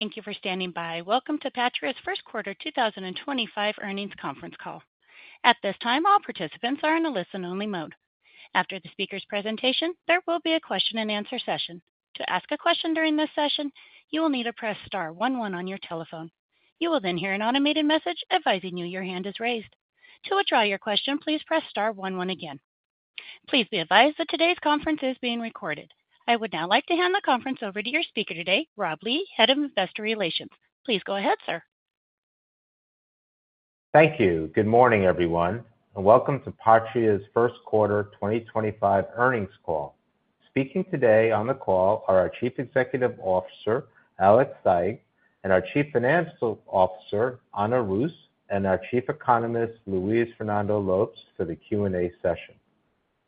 Thank you for standing by. Welcome to Patria's first quarter 2025 earnings conference call. At this time, all participants are in a listen-only mode. After the speaker's presentation, there will be a question-and-answer session. To ask a question during this session, you will need to press star 11 on your telephone. You will then hear an automated message advising you your hand is raised. To withdraw your question, please press star 11 again. Please be advised that today's conference is being recorded. I would now like to hand the conference over to your speaker today, Rob Lee, Head of Investor Relations. Please go ahead, sir. Thank you. Good morning, everyone, and welcome to Patria's first quarter 2025 earnings call. Speaking today on the call are our Chief Executive Officer, Alex Saigh, our Chief Financial Officer, Ana Russo, and our Chief Economist, Luis Fernando Lopes, for the Q&A session.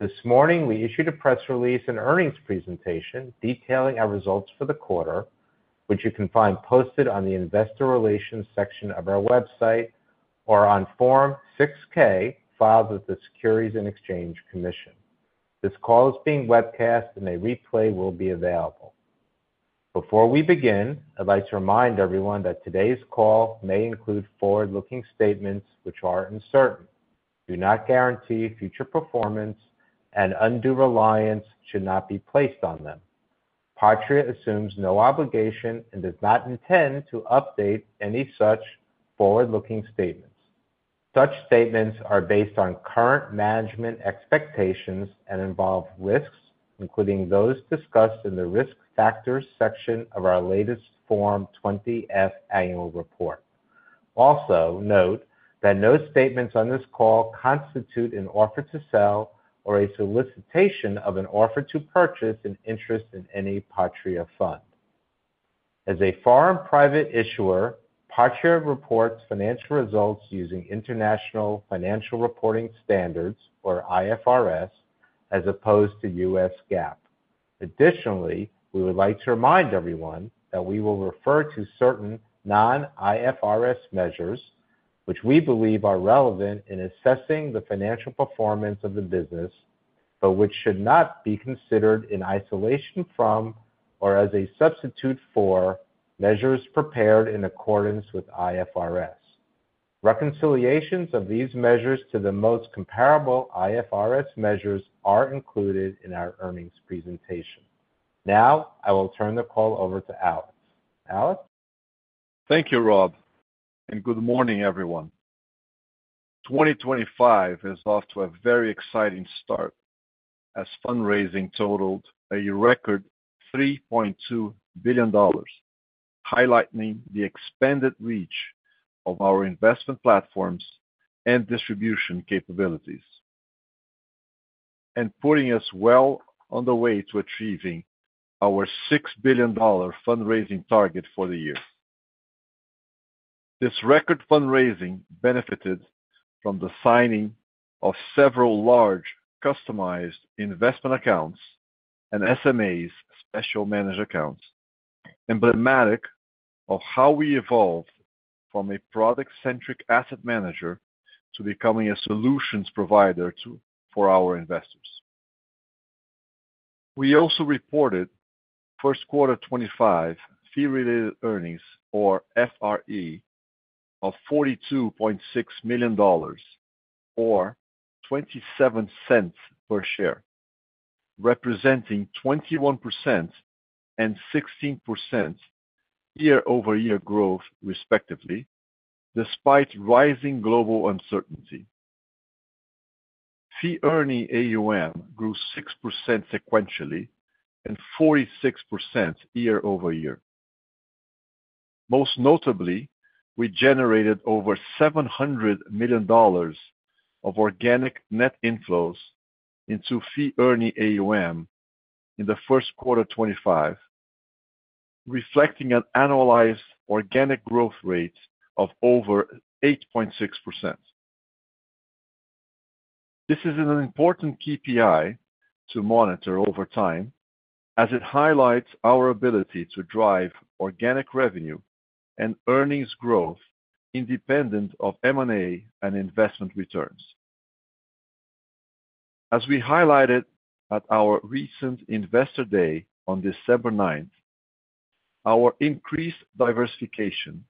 This morning, we issued a press release and earnings presentation detailing our results for the quarter, which you can find posted on the Investor Relations section of our website or on Form 6K filed with the Securities and Exchange Commission. This call is being webcast, and a replay will be available. Before we begin, I'd like to remind everyone that today's call may include forward-looking statements which are uncertain. Do not guarantee future performance, and undue reliance should not be placed on them. Patria assumes no obligation and does not intend to update any such forward-looking statements. Such statements are based on current management expectations and involve risks, including those discussed in the risk factors section of our latest Form 20F annual report. Also, note that no statements on this call constitute an offer to sell or a solicitation of an offer to purchase an interest in any Patria fund. As a foreign private issuer, Patria reports financial results using International Financial Reporting Standards, or IFRS, as opposed to US GAAP. Additionally, we would like to remind everyone that we will refer to certain non-IFRS measures, which we believe are relevant in assessing the financial performance of the business, but which should not be considered in isolation from or as a substitute for measures prepared in accordance with IFRS. Reconciliations of these measures to the most comparable IFRS measures are included in our earnings presentation. Now, I will turn the call over to Alex. Alex? Thank you, Rob, and good morning, everyone. 2025 is off to a very exciting start as fundraising totaled a record $3.2 billion, highlighting the expanded reach of our investment platforms and distribution capabilities, and putting us well on the way to achieving our $6 billion fundraising target for the year. This record fundraising benefited from the signing of several large customized investment accounts and SMAs, special managed accounts, emblematic of how we evolved from a product-centric asset manager to becoming a solutions provider for our investors. We also reported first quarter 2025 fee-related earnings, or FRE, of $42.6 million, or $0.27 per share, representing 21% and 16% year-over-year growth, respectively, despite rising global uncertainty. Fee-earning AUM grew 6% sequentially and 46% year-over-year. Most notably, we generated over $700 million of organic net inflows into fee-earning AUM in the first quarter 2025, reflecting an annualized organic growth rate of over 8.6%. This is an important KPI to monitor over time, as it highlights our ability to drive organic revenue and earnings growth independent of M&A and investment returns. As we highlighted at our recent Investor Day on December 9th, our increased diversification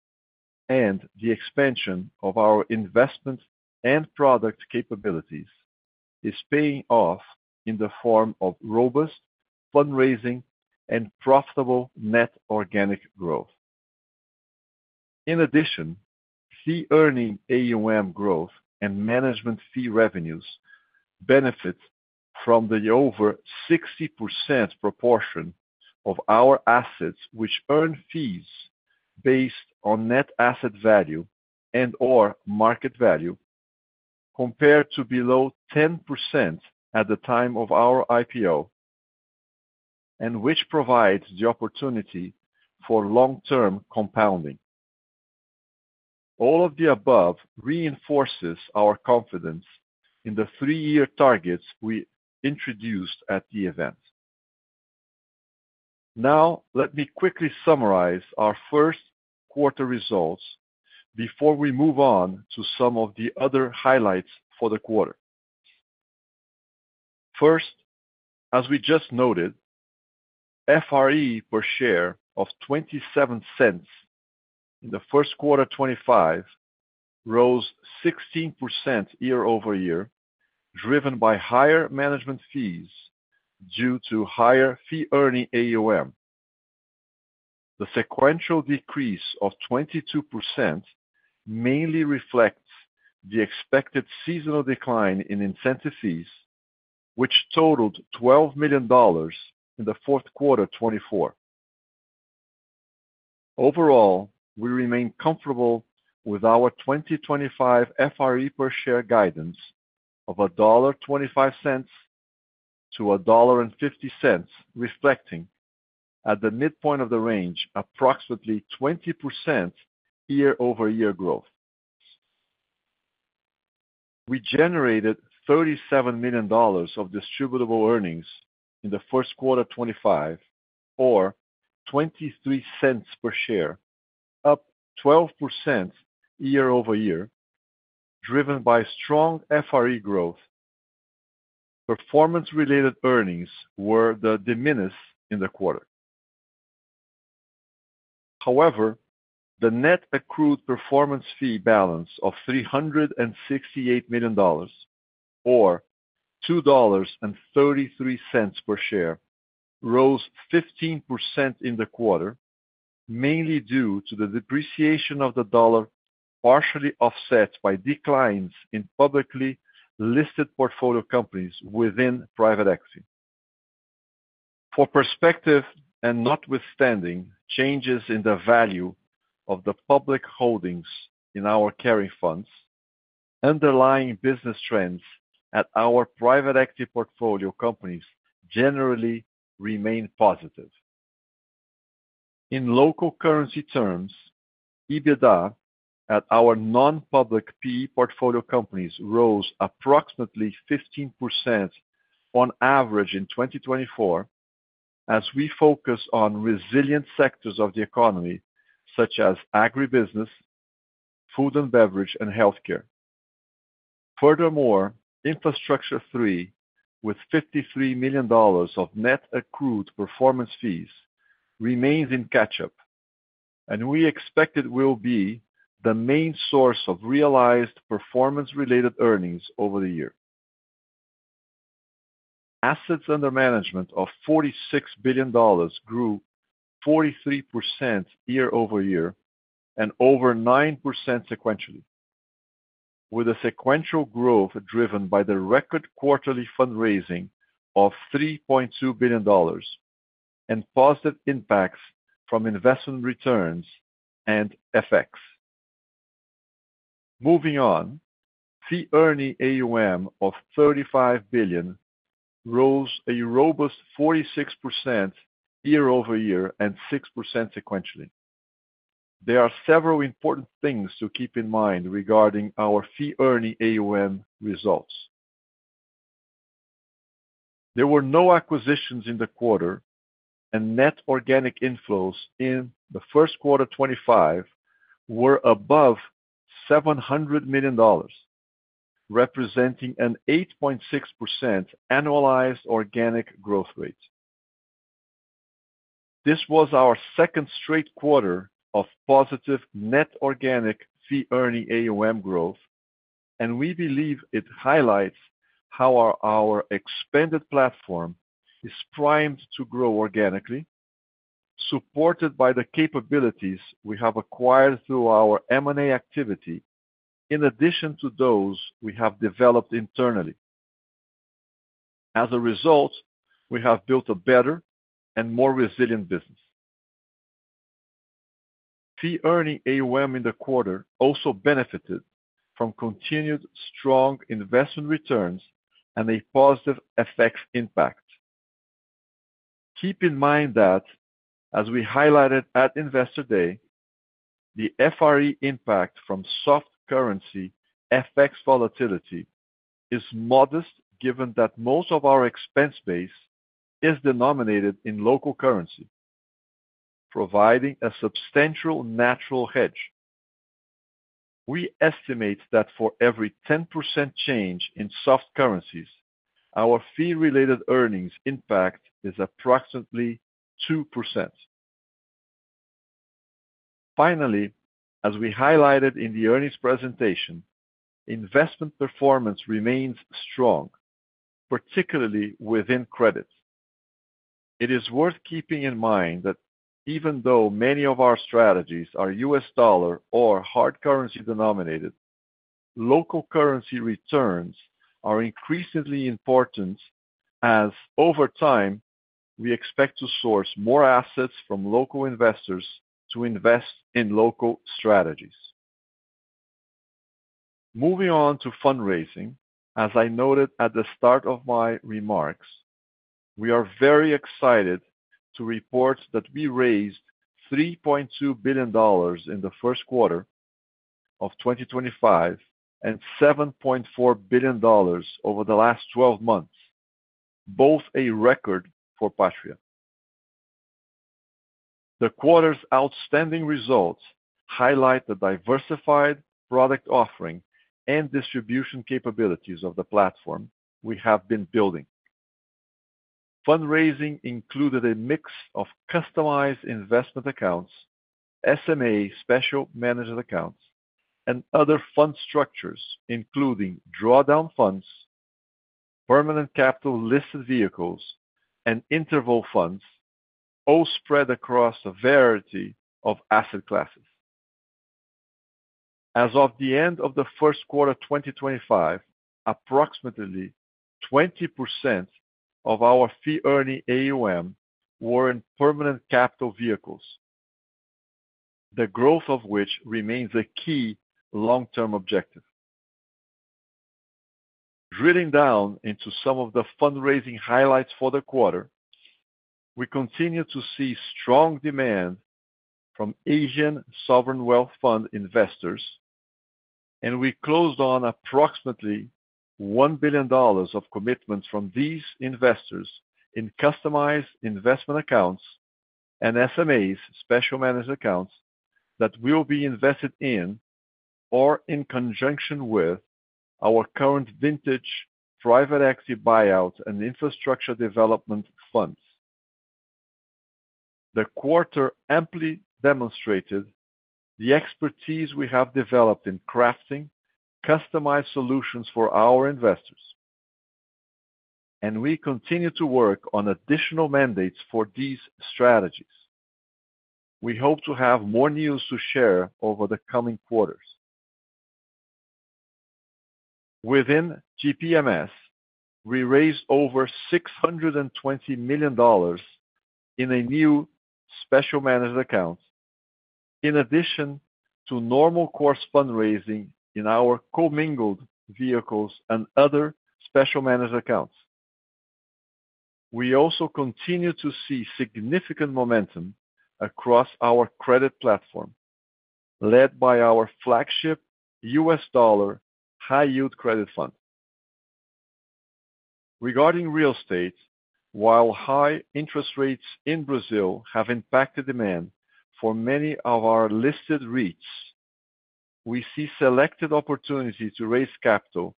and the expansion of our investment and product capabilities is paying off in the form of robust fundraising and profitable net organic growth. In addition, fee-earning AUM growth and management fee revenues benefit from the over 60% proportion of our assets which earn fees based on net asset value and/or market value compared to below 10% at the time of our IPO, and which provides the opportunity for long-term compounding. All of the above reinforces our confidence in the three-year targets we introduced at the event. Now, let me quickly summarize our first quarter results before we move on to some of the other highlights for the quarter. First, as we just noted, FRE per share of $0.27 in the first quarter 2025 rose 16% year-over-year, driven by higher management fees due to higher fee-earning AUM. The sequential decrease of 22% mainly reflects the expected seasonal decline in incentive fees, which totaled $12 million in the fourth quarter 2024. Overall, we remain comfortable with our 2025 FRE per share guidance of $1.25-$1.50, reflecting at the midpoint of the range approximately 20% year-over-year growth. We generated $37 million of distributable earnings in the first quarter 2025, or $0.23 per share, up 12% year-over-year, driven by strong FRE growth. Performance-related earnings were the diminished in the quarter. However, the net accrued performance fee balance of $368 million, or $2.33 per share, rose 15% in the quarter, mainly due to the depreciation of the dollar partially offset by declines in publicly listed portfolio companies within private equity. For perspective and notwithstanding changes in the value of the public holdings in our carry funds, underlying business trends at our private equity portfolio companies generally remain positive. In local currency terms, EBITDA at our non-public PE portfolio companies rose approximately 15% on average in 2024, as we focus on resilient sectors of the economy, such as agribusiness, food and beverage, and healthcare. Furthermore, Infrastructure III, with $53 million of net accrued performance fees, remains in catch-up, and we expect it will be the main source of realized performance-related earnings over the year. Assets under management of $46 billion grew 43% year-over-year and over 9% sequentially, with a sequential growth driven by the record quarterly fundraising of $3.2 billion and positive impacts from investment returns and effects. Moving on, fee-earning AUM of $35 billion rose a robust 46% year-over-year and 6% sequentially. There are several important things to keep in mind regarding our fee-earning AUM results. There were no acquisitions in the quarter, and net organic inflows in the first quarter 2025 were above $700 million, representing an 8.6% annualized organic growth rate. This was our second straight quarter of positive net organic fee-earning AUM growth, and we believe it highlights how our expanded platform is primed to grow organically, supported by the capabilities we have acquired through our M&A activity, in addition to those we have developed internally. As a result, we have built a better and more resilient business. Fee-earning AUM in the quarter also benefited from continued strong investment returns and a positive FX impact. Keep in mind that, as we highlighted at Investor Day, the FRE impact from soft currency FX volatility is modest, given that most of our expense base is denominated in local currency, providing a substantial natural hedge. We estimate that for every 10% change in soft currencies, our fee-related earnings impact is approximately 2%. Finally, as we highlighted in the earnings presentation, investment performance remains strong, particularly within credit. It is worth keeping in mind that even though many of our strategies are US dollar or hard currency denominated, local currency returns are increasingly important as, over time, we expect to source more assets from local investors to invest in local strategies. Moving on to fundraising, as I noted at the start of my remarks, we are very excited to report that we raised $3.2 billion in the first quarter of 2025 and $7.4 billion over the last 12 months, both a record for Patria. The quarter's outstanding results highlight the diversified product offering and distribution capabilities of the platform we have been building. Fundraising included a mix of customized investment accounts, SMA special managed accounts, and other fund structures, including drawdown funds, permanent capital listed vehicles, and interval funds, all spread across a variety of asset classes. As of the end of the first quarter 2025, approximately 20% of our fee-earning AUM were in permanent capital vehicles, the growth of which remains a key long-term objective. Drilling down into some of the fundraising highlights for the quarter, we continue to see strong demand from Asian sovereign wealth fund investors, and we closed on approximately $1 billion of commitments from these investors in customized investment accounts and SMAs special managed accounts that will be invested in or in conjunction with our current vintage private equity buyout and infrastructure development funds. The quarter amply demonstrated the expertise we have developed in crafting customized solutions for our investors, and we continue to work on additional mandates for these strategies. We hope to have more news to share over the coming quarters. Within GPMS, we raised over $620 million in a new special managed account, in addition to normal course fundraising in our co-mingled vehicles and other special managed accounts. We also continue to see significant momentum across our credit platform, led by our flagship US dollar high-yield credit fund. Regarding real estate, while high interest rates in Brazil have impacted demand for many of our listed REITs, we see selected opportunities to raise capital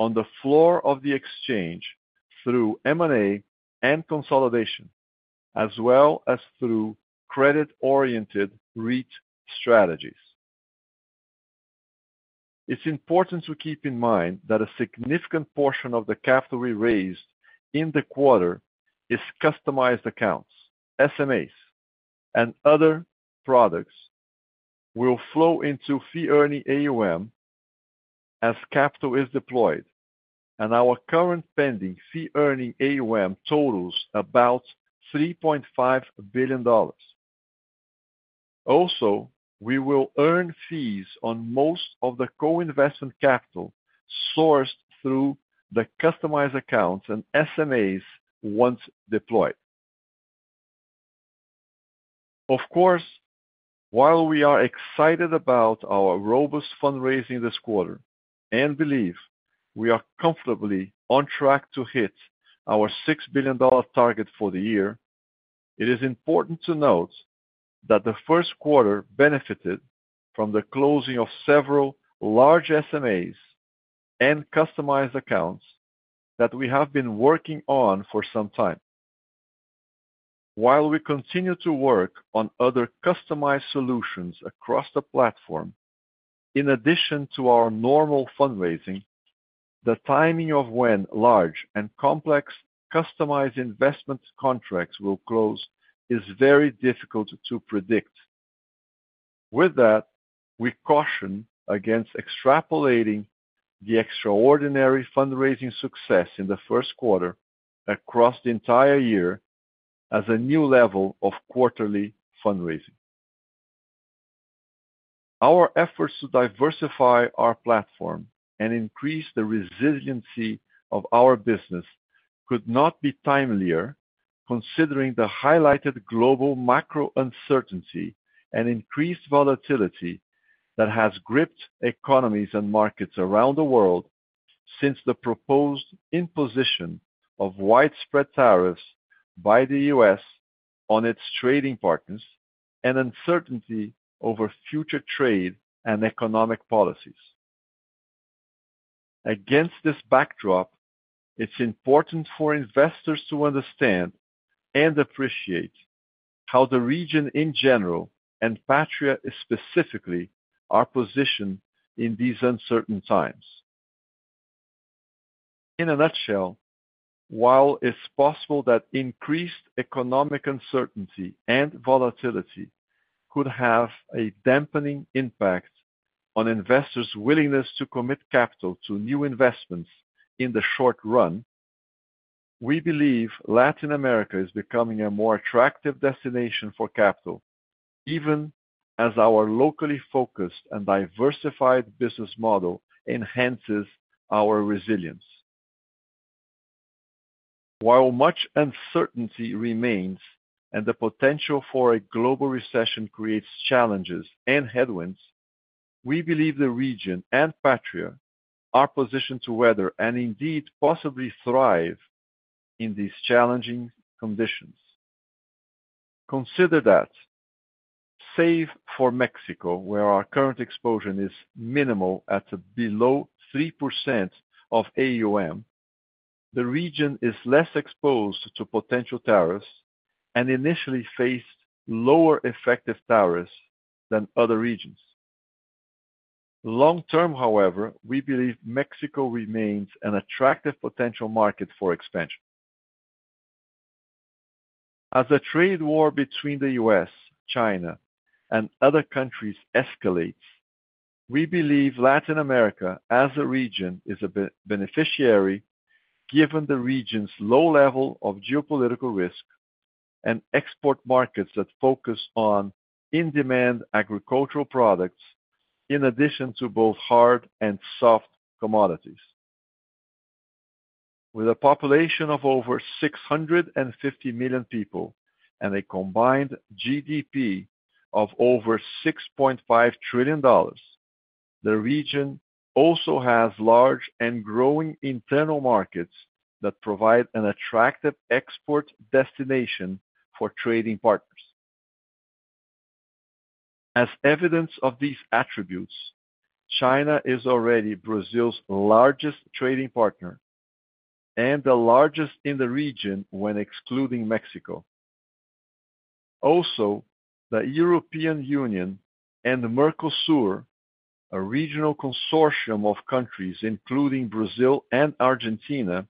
on the floor of the exchange through M&A and consolidation, as well as through credit-oriented REIT strategies. It's important to keep in mind that a significant portion of the capital we raised in the quarter is customized accounts, SMAs, and other products will flow into fee-earning AUM as capital is deployed, and our current pending fee-earning AUM totals about $3.5 billion. Also, we will earn fees on most of the co-investment capital sourced through the customized accounts and SMAs once deployed. Of course, while we are excited about our robust fundraising this quarter and believe we are comfortably on track to hit our $6 billion target for the year, it is important to note that the first quarter benefited from the closing of several large SMAs and customized accounts that we have been working on for some time. While we continue to work on other customized solutions across the platform, in addition to our normal fundraising, the timing of when large and complex customized investment contracts will close is very difficult to predict. With that, we caution against extrapolating the extraordinary fundraising success in the first quarter across the entire year as a new level of quarterly fundraising. Our efforts to diversify our platform and increase the resiliency of our business could not be timelier, considering the highlighted global macro uncertainty and increased volatility that has gripped economies and markets around the world since the proposed imposition of widespread tariffs by the U.S. on its trading partners and uncertainty over future trade and economic policies. Against this backdrop, it's important for investors to understand and appreciate how the region in general and Patria specifically are positioned in these uncertain times. In a nutshell, while it's possible that increased economic uncertainty and volatility could have a dampening impact on investors' willingness to commit capital to new investments in the short run, we believe Latin America is becoming a more attractive destination for capital, even as our locally focused and diversified business model enhances our resilience. While much uncertainty remains and the potential for a global recession creates challenges and headwinds, we believe the region and Patria are positioned to weather and indeed possibly thrive in these challenging conditions. Consider that, save for Mexico, where our current exposure is minimal at below 3% of AUM, the region is less exposed to potential tariffs and initially faced lower effective tariffs than other regions. Long-term, however, we believe Mexico remains an attractive potential market for expansion. As the trade war between the U.S., China, and other countries escalates, we believe Latin America as a region is a beneficiary, given the region's low level of geopolitical risk and export markets that focus on in-demand agricultural products, in addition to both hard and soft commodities. With a population of over 650 million people and a combined GDP of over $6.5 trillion, the region also has large and growing internal markets that provide an attractive export destination for trading partners. As evidence of these attributes, China is already Brazil's largest trading partner and the largest in the region when excluding Mexico. Also, the European Union and Mercosur, a regional consortium of countries including Brazil and Argentina,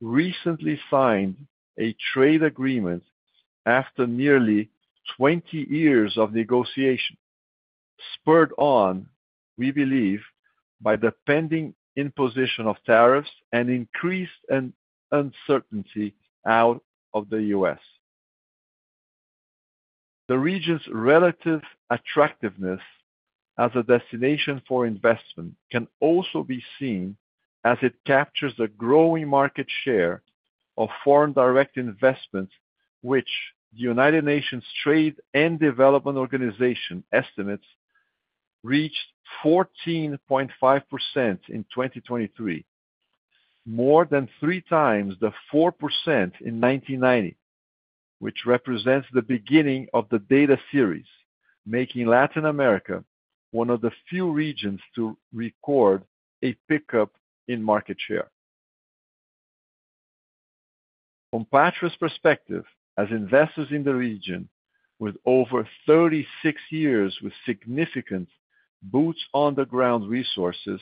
recently signed a trade agreement after nearly 20 years of negotiation, spurred on, we believe, by the pending imposition of tariffs and increased uncertainty out of the U.S. The region's relative attractiveness as a destination for investment can also be seen as it captures a growing market share of foreign direct investments, which the United Nations Trade and Development Organization estimates reached 14.5% in 2023, more than three times the 4% in 1990, which represents the beginning of the data series, making Latin America one of the few regions to record a pickup in market share. From Patria's perspective, as investors in the region, with over 36 years with significant boots-on-the-ground resources,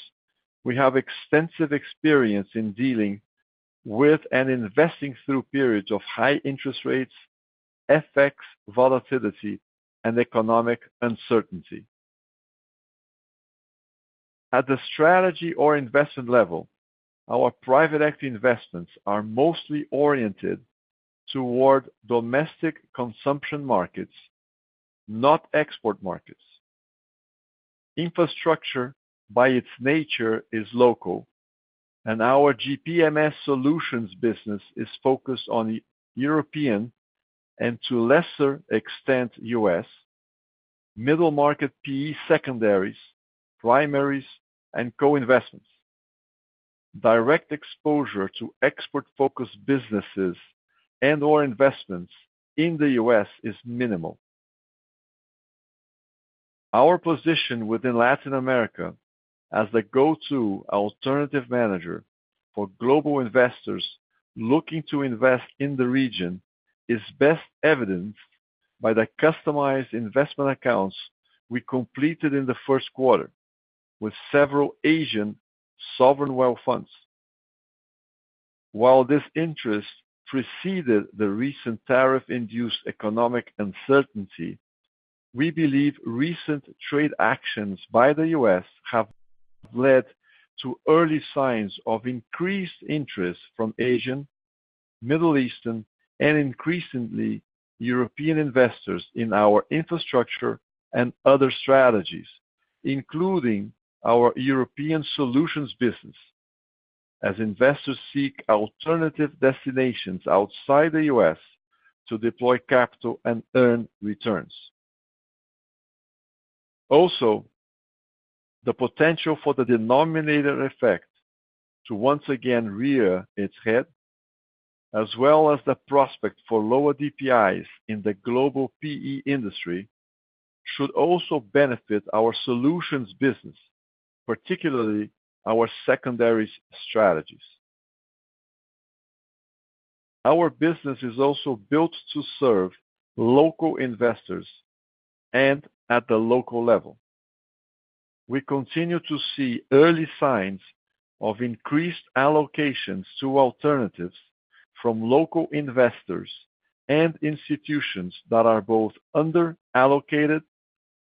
we have extensive experience in dealing with and investing through periods of high interest rates, FX volatility, and economic uncertainty. At the strategy or investment level, our private equity investments are mostly oriented toward domestic consumption markets, not export markets. Infrastructure, by its nature, is local, and our GPMS solutions business is focused on the European and, to a lesser extent, U.S., middle market PE secondaries, primaries, and co-investments. Direct exposure to export-focused businesses and/or investments in the U.S. is minimal. Our position within Latin America as the go-to alternative manager for global investors looking to invest in the region is best evidenced by the customized investment accounts we completed in the first quarter with several Asian sovereign wealth funds. While this interest preceded the recent tariff-induced economic uncertainty, we believe recent trade actions by the U.S. have led to early signs of increased interest from Asian, Middle Eastern, and increasingly European investors in our infrastructure and other strategies, including our European solutions business, as investors seek alternative destinations outside the U.S. to deploy capital and earn returns. Also, the potential for the denominator effect to once again rear its head, as well as the prospect for lower DPIs in the global PE industry, should also benefit our solutions business, particularly our secondaries strategies. Our business is also built to serve local investors and at the local level. We continue to see early signs of increased allocations to alternatives from local investors and institutions that are both under-allocated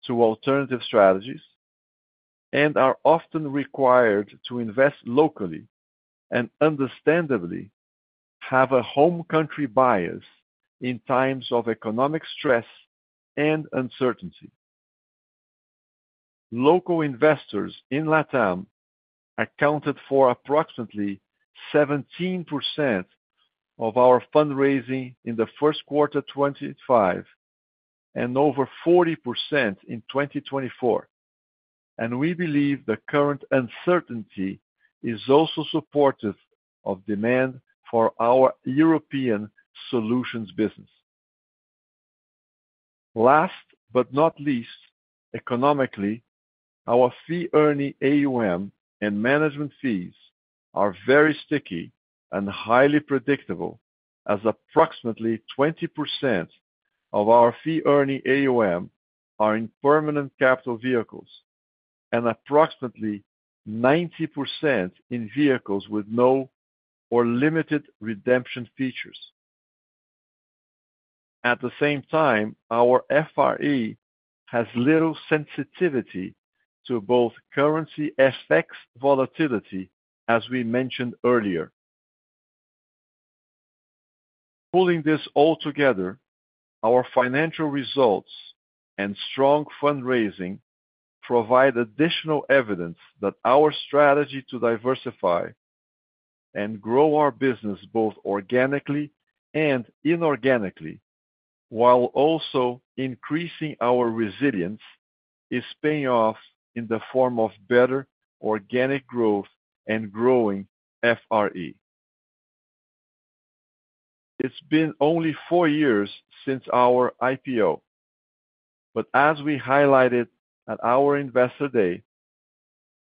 to alternative strategies and are often required to invest locally and, understandably, have a home country bias in times of economic stress and uncertainty. Local investors in Latin America accounted for approximately 17% of our fundraising in the first quarter 2025 and over 40% in 2024, and we believe the current uncertainty is also supportive of demand for our European solutions business. Last but not least, economically, our fee-earning AUM and management fees are very sticky and highly predictable, as approximately 20% of our fee-earning AUM are in permanent capital vehicles and approximately 90% in vehicles with no or limited redemption features. At the same time, our FRE has little sensitivity to both currency FX volatility, as we mentioned earlier. Pulling this all together, our financial results and strong fundraising provide additional evidence that our strategy to diversify and grow our business both organically and inorganically, while also increasing our resilience, is paying off in the form of better organic growth and growing FRE. It's been only four years since our IPO, but as we highlighted at our Investor Day,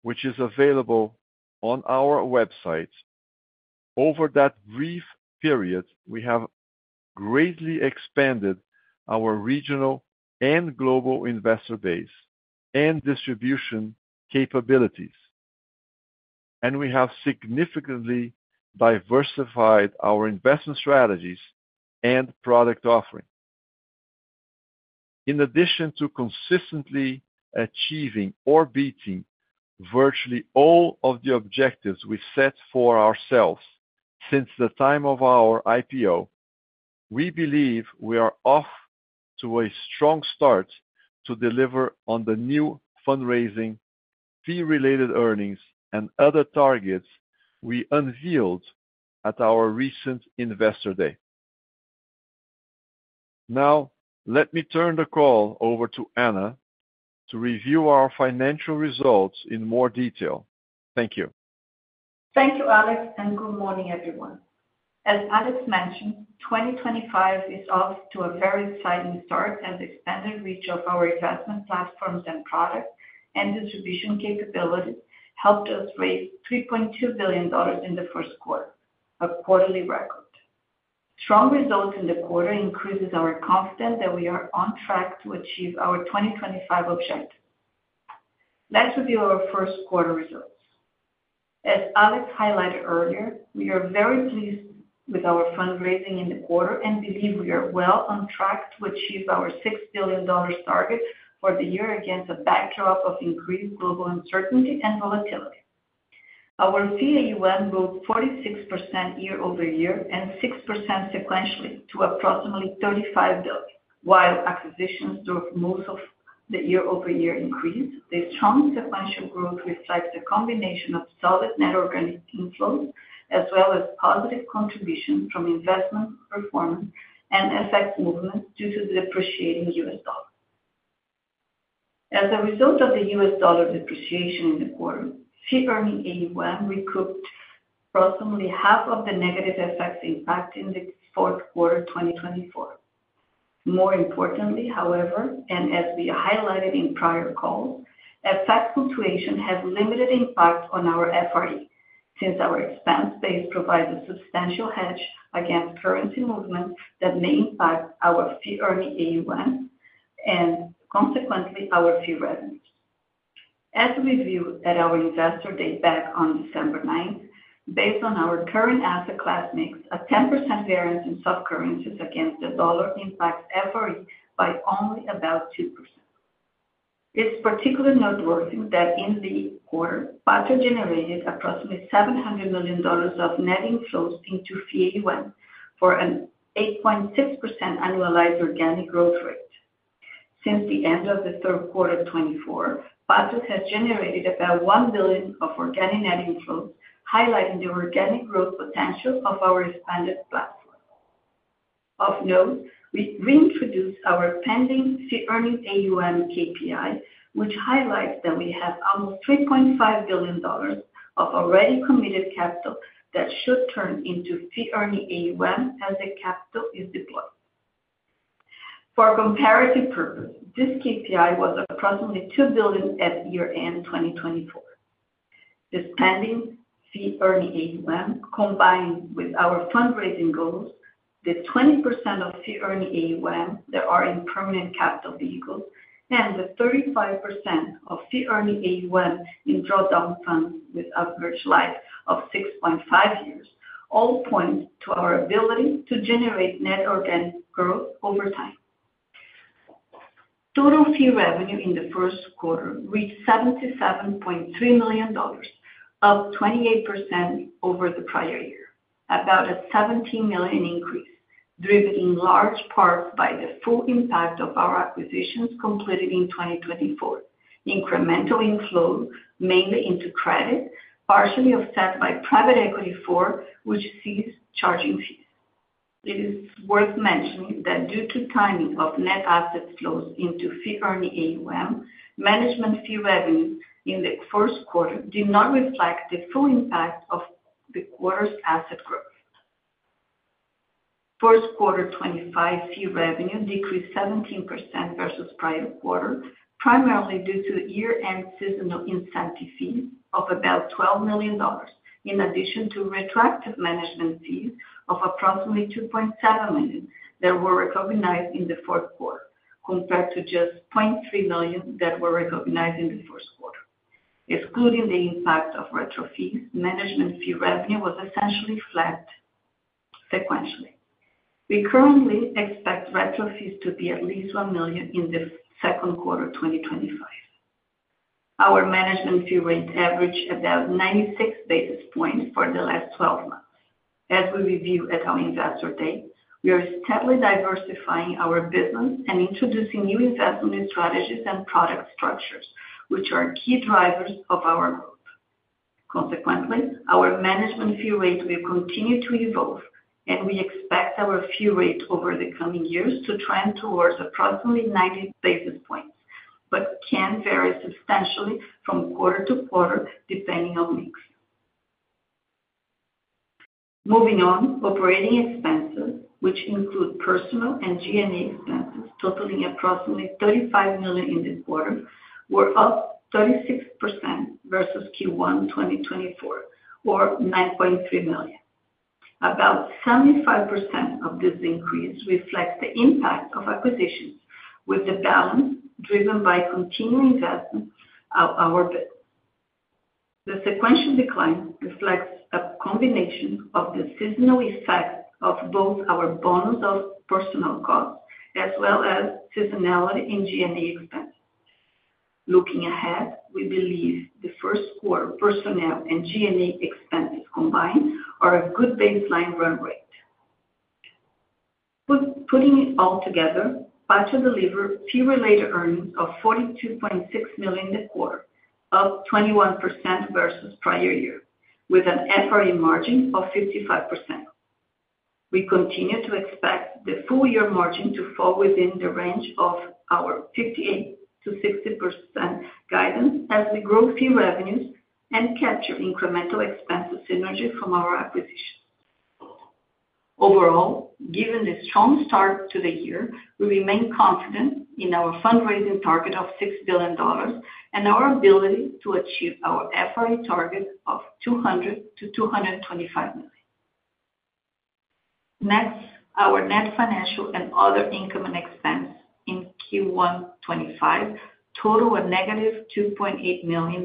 which is available on our website, over that brief period, we have greatly expanded our regional and global investor base and distribution capabilities, and we have significantly diversified our investment strategies and product offering. In addition to consistently achieving or beating virtually all of the objectives we set for ourselves since the time of our IPO, we believe we are off to a strong start to deliver on the new fundraising, fee-related earnings, and other targets we unveiled at our recent Investor Day. Now, let me turn the call over to Ana to review our financial results in more detail. Thank you. Thank you, Alex, and good morning, everyone. As Alex mentioned, 2025 is off to a very exciting start, as the expanded reach of our investment platforms and products and distribution capabilities helped us raise $3.2 billion in the first quarter, a quarterly record. Strong results in the quarter increases our confidence that we are on track to achieve our 2025 objectives. Let's review our first quarter results. As Alex highlighted earlier, we are very pleased with our fundraising in the quarter and believe we are well on track to achieve our $6 billion target for the year against a backdrop of increased global uncertainty and volatility. Our fee AUM grew 46% year over year and 6% sequentially to approximately $35 billion. While acquisitions drove most of the year-over-year increase, the strong sequential growth reflects a combination of solid net organic inflows as well as positive contributions from investment performance and FX movements due to the depreciating US dollar. As a result of the US dollar depreciation in the quarter, fee-earning AUM recouped approximately half of the negative FX impact in the fourth quarter 2024. More importantly, however, and as we highlighted in prior calls, FX fluctuation has limited impact on our FRE since our expense base provides a substantial hedge against currency movements that may impact our fee-earning AUM and, consequently, our fee revenues. As we viewed at our Investor Day back on December 9, based on our current asset class mix, a 10% variance in soft currencies against the dollar impacts FRE by only about 2%. It's particularly noteworthy that in the quarter, Patria generated approximately $700 million of net inflows into fee AUM for an 8.6% annualized organic growth rate. Since the end of the third quarter 2024, Patria has generated about $1 billion of organic net inflows, highlighting the organic growth potential of our expanded platform. Of note, we reintroduced our pending fee-earning AUM KPI, which highlights that we have almost $3.5 billion of already committed capital that should turn into fee-earning AUM as the capital is deployed. For comparative purposes, this KPI was approximately $2 billion at year-end 2024. This pending fee-earning AUM, combined with our fundraising goals, the 20% of fee-earning AUM that are in permanent capital vehicles and the 35% of fee-earning AUM in drawdown funds with average life of 6.5 years, all point to our ability to generate net organic growth over time. Total fee revenue in the first quarter reached $77.3 million, up 28% over the prior year, about a $17 million increase, driven in large part by the full impact of our acquisitions completed in 2024, incremental inflows mainly into credit, partially offset by private equity for which sees charging fees. It is worth mentioning that due to timing of net asset flows into fee-earning AUM, management fee revenues in the first quarter did not reflect the full impact of the quarter's asset growth. First quarter 2025 fee revenue decreased 17% versus prior quarter, primarily due to year-end seasonal incentive fees of about $12 million, in addition to retroactive management fees of approximately $2.7 million that were recognized in the fourth quarter, compared to just $0.3 million that were recognized in the first quarter. Excluding the impact of retro fees, management fee revenue was essentially flat sequentially. We currently expect retro fees to be at least $1 million in the second quarter 2025. Our management fee rate averaged about 96 basis points for the last 12 months. As we review at our Investor Day, we are steadily diversifying our business and introducing new investment strategies and product structures, which are key drivers of our growth. Consequently, our management fee rate will continue to evolve, and we expect our fee rate over the coming years to trend towards approximately 90 basis points but can vary substantially from quarter to quarter depending on mix. Moving on, operating expenses, which include personnel and G&A expenses, totaling approximately $35 million in this quarter, were up 36% versus Q1 2024, or $9.3 million. About 75% of this increase reflects the impact of acquisitions, with the balance driven by continuing investment of our business. The sequential decline reflects a combination of the seasonal effects of both our bonus of personal costs as well as seasonality in G&A expenses. Looking ahead, we believe the first quarter personnel and G&A expenses combined are a good baseline run rate. Putting it all together, Patria delivered fee-related earnings of $42.6 million in the quarter, up 21% versus prior year, with an FRE margin of 55%. We continue to expect the full year margin to fall within the range of our 58%-60% guidance as we grow fee revenues and capture incremental expense synergy from our acquisitions. Overall, given the strong start to the year, we remain confident in our fundraising target of $6 billion and our ability to achieve our FRE target of $200 million-$225 million. Next, our net financial and other income and expense in Q1 2025 total a negative $2.8 million,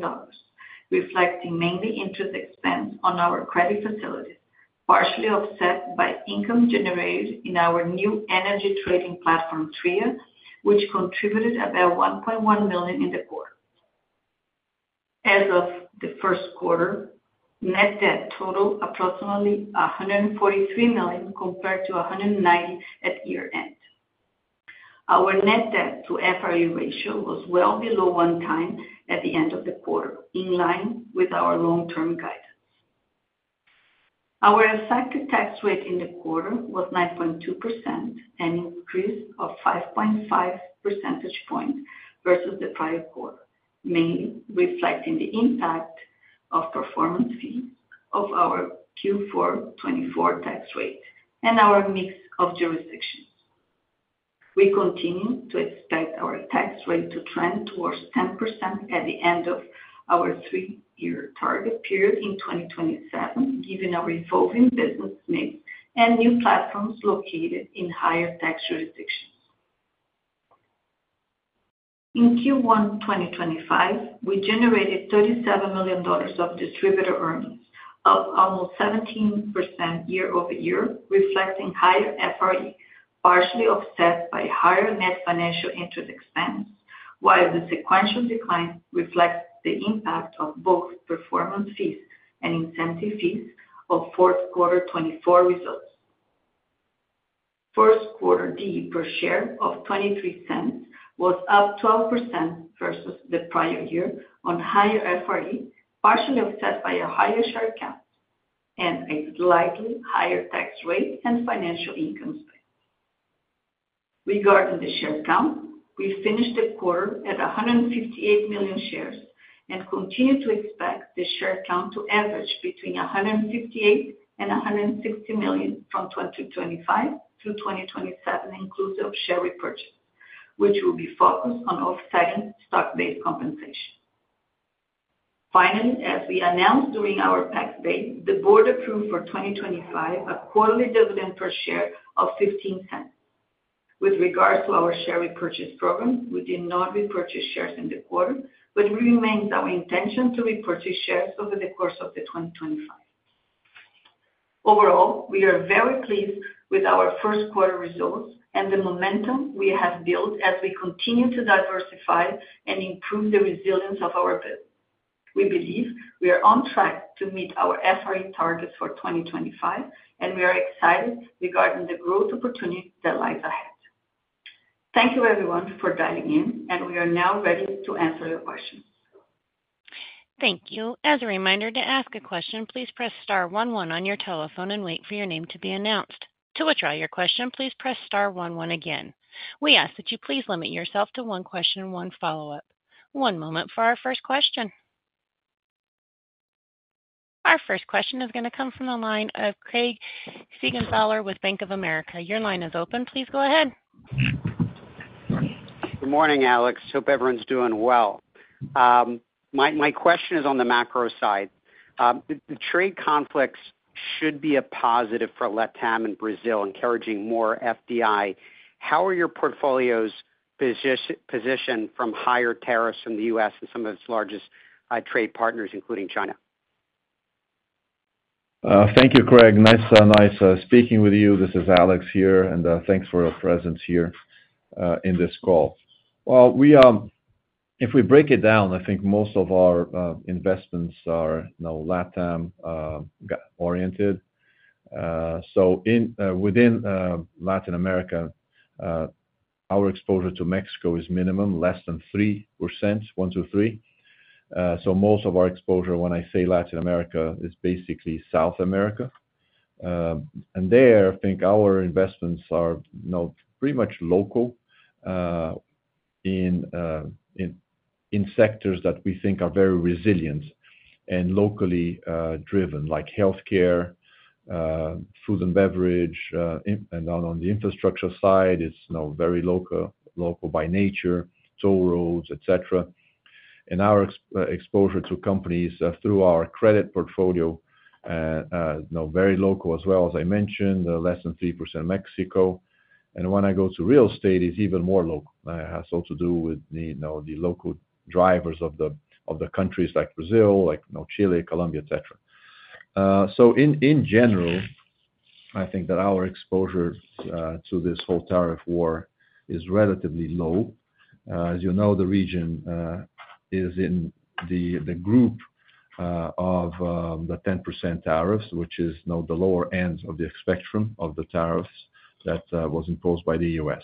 reflecting mainly interest expense on our credit facilities, partially offset by income generated in our new energy trading platform, TRIA, which contributed about $1.1 million in the quarter. As of the first quarter, net debt totaled approximately $143 million compared to $190 million at year-end. Our net debt to FRE ratio was well below one time at the end of the quarter, in line with our long-term guidance. Our effective tax rate in the quarter was 9.2%, an increase of 5.5 percentage points versus the prior quarter, mainly reflecting the impact of performance fees of our Q4 2024 tax rate and our mix of jurisdictions. We continue to expect our tax rate to trend towards 10% at the end of our three-year target period in 2027, given our evolving business mix and new platforms located in higher tax jurisdictions. In Q1 2025, we generated $37 million of distributable earnings, up almost 17% year-over-year, reflecting higher FRE, partially offset by higher net financial interest expense, while the sequential decline reflects the impact of both performance fees and incentive fees of fourth quarter 2024 results. First quarter DE per share of $0.23 was up 12% versus the prior year on higher FRE, partially offset by a higher share count and a slightly higher tax rate and financial income space. Regarding the share count, we finished the quarter at 158 million shares and continue to expect the share count to average between 158 million and 160 million from 2025 through 2027, inclusive of share repurchase, which will be focused on offsetting stock-based compensation. Finally, as we announced during our PACS Day, the board approved for 2025 a quarterly dividend per share of $0.15. With regards to our share repurchase program, we did not repurchase shares in the quarter, but it remains our intention to repurchase shares over the course of 2025. Overall, we are very pleased with our first quarter results and the momentum we have built as we continue to diversify and improve the resilience of our business. We believe we are on track to meet our FRE targets for 2025, and we are excited regarding the growth opportunity that lies ahead. Thank you, everyone, for dialing in, and we are now ready to answer your questions. Thank you. As a reminder, to ask a question, please press star 11 on your telephone and wait for your name to be announced. To withdraw your question, please press star 11 again. We ask that you please limit yourself to one question and one follow-up. One moment for our first question. Our first question is going to come from the line of Craig Siegenthaler with Bank of America. Your line is open. Please go ahead. Good morning, Alex. Hope everyone's doing well. My question is on the macro side. The trade conflicts should be a positive for LATAM and Brazil, encouraging more FDI. How are your portfolios positioned from higher tariffs from the U.S. and some of its largest trade partners, including China? Thank you, Craig. Nice speaking with you. This is Alex here, and thanks for your presence here in this call. If we break it down, I think most of our investments are LATAM-oriented. Within Latin America, our exposure to Mexico is minimum, less than 3%, 1-3%. Most of our exposure, when I say Latin America, is basically South America. There, I think our investments are pretty much local in sectors that we think are very resilient and locally driven, like healthcare, food and beverage. On the infrastructure side, it's very local by nature, toll roads, etc. Our exposure to companies through our credit portfolio is very local as well, as I mentioned, less than 3% Mexico. When I go to real estate, it's even more local. It has also to do with the local drivers of the countries like Brazil, like Chile, Colombia, etc. In general, I think that our exposure to this whole tariff war is relatively low. As you know, the region is in the group of the 10% tariffs, which is the lower end of the spectrum of the tariffs that was imposed by the U.S.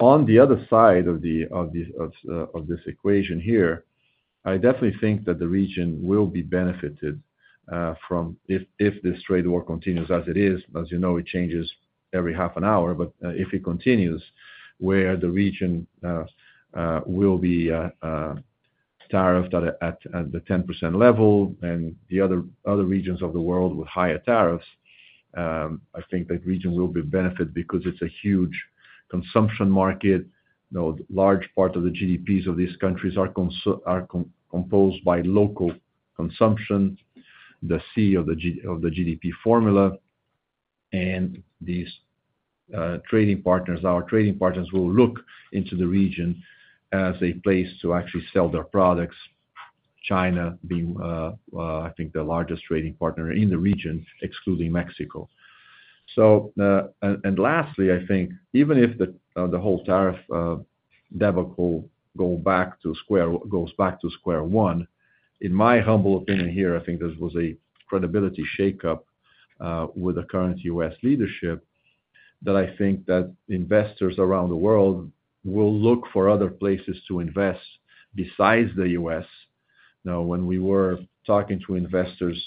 On the other side of this equation here, I definitely think that the region will be benefited if this trade war continues as it is. As you know, it changes every half an hour, but if it continues, where the region will be tariffed at the 10% level and the other regions of the world with higher tariffs, I think that region will be benefited because it is a huge consumption market. Large parts of the GDPs of these countries are composed by local consumption, the C of the GDP formula. Our trading partners will look into the region as a place to actually sell their products, China being, I think, the largest trading partner in the region, excluding Mexico. Lastly, I think even if the whole tariff debacle goes back to square one, in my humble opinion here, I think this was a credibility shake-up with the current U.S. leadership that I think that investors around the world will look for other places to invest besides the U.S. Now, when we were talking to investors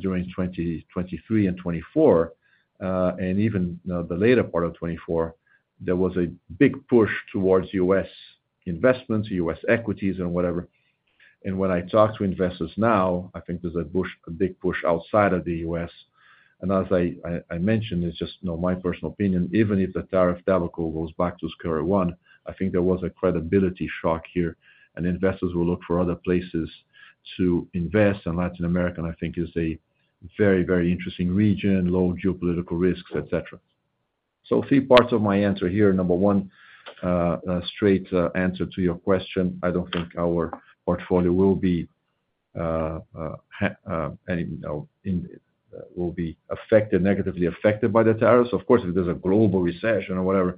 during 2023 and 2024, and even the later part of 2024, there was a big push towards U.S. investments, U.S. equities, and whatever. When I talk to investors now, I think there is a big push outside of the U.S. As I mentioned, it is just my personal opinion. Even if the tariff debacle goes back to square one, I think there was a credibility shock here, and investors will look for other places to invest. Latin America, I think, is a very, very interesting region, low geopolitical risks, etc. Three parts of my answer here. Number one, a straight answer to your question. I do not think our portfolio will be affected negatively by the tariffs. Of course, if there is a global recession or whatever,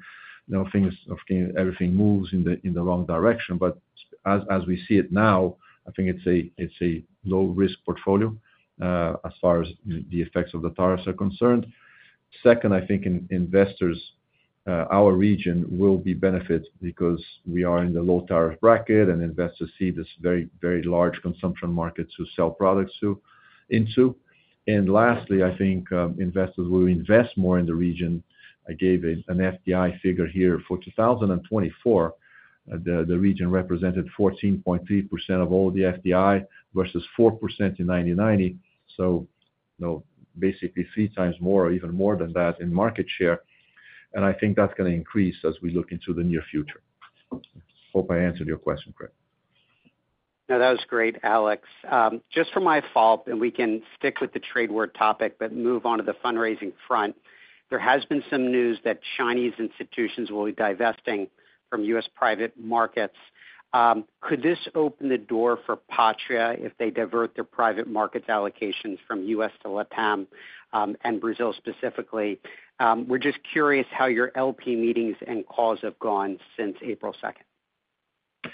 everything moves in the wrong direction. As we see it now, I think it is a low-risk portfolio as far as the effects of the tariffs are concerned. Second, I think our region will be benefited because we are in the low tariff bracket, and investors see this very, very large consumption market to sell products into. Lastly, I think investors will invest more in the region. I gave an FDI figure here for 2024. The region represented 14.3% of all the FDI versus 4% in 1990. Basically three times more or even more than that in market share. I think that's going to increase as we look into the near future. Hope I answered your question, Craig. No, that was great, Alex. Just for my follow-up, and we can stick with the trade war topic, but move on to the fundraising front. There has been some news that Chinese institutions will be divesting from US private markets. Could this open the door for Patria if they divert their private market allocations from US to LATAM and Brazil specifically? We're just curious how your LP meetings and calls have gone since April 2.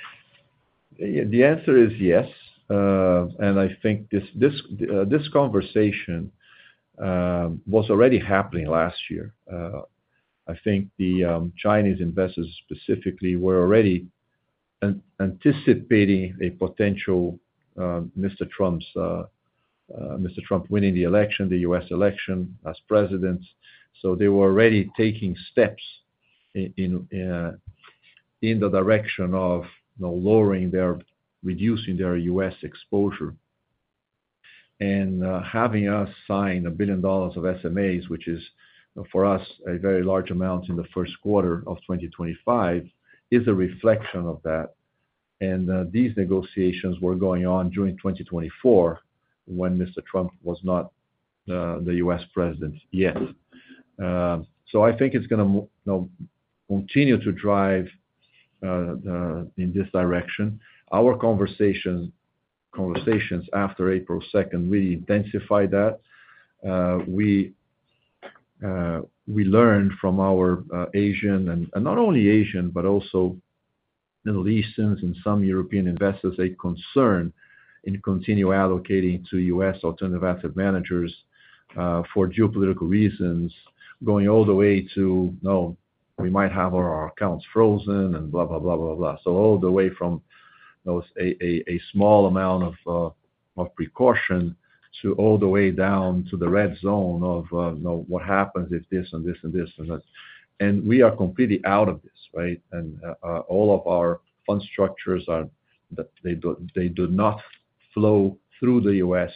The answer is yes. I think this conversation was already happening last year. I think the Chinese investors specifically were already anticipating a potential Mr. Trump winning the U.S. election as president. They were already taking steps in the direction of reducing their U.S. exposure. Having us sign $1 billion of SMAs, which is for us a very large amount in the first quarter of 2025, is a reflection of that. These negotiations were going on during 2024 when Mr. Trump was not the U.S. president yet. I think it is going to continue to drive in this direction. Our conversations after April 2 really intensified that. We learned from our Asian, and not only Asian, but also Middle Eastern and some European investors a concern in continuing allocating to U.S. alternative asset managers for geopolitical reasons, going all the way to, "No, we might have our accounts frozen," and blah, blah, blah, blah, blah. All the way from a small amount of precaution to all the way down to the red zone of what happens if this and this and this and this. We are completely out of this, right? All of our fund structures do not flow through the U.S.,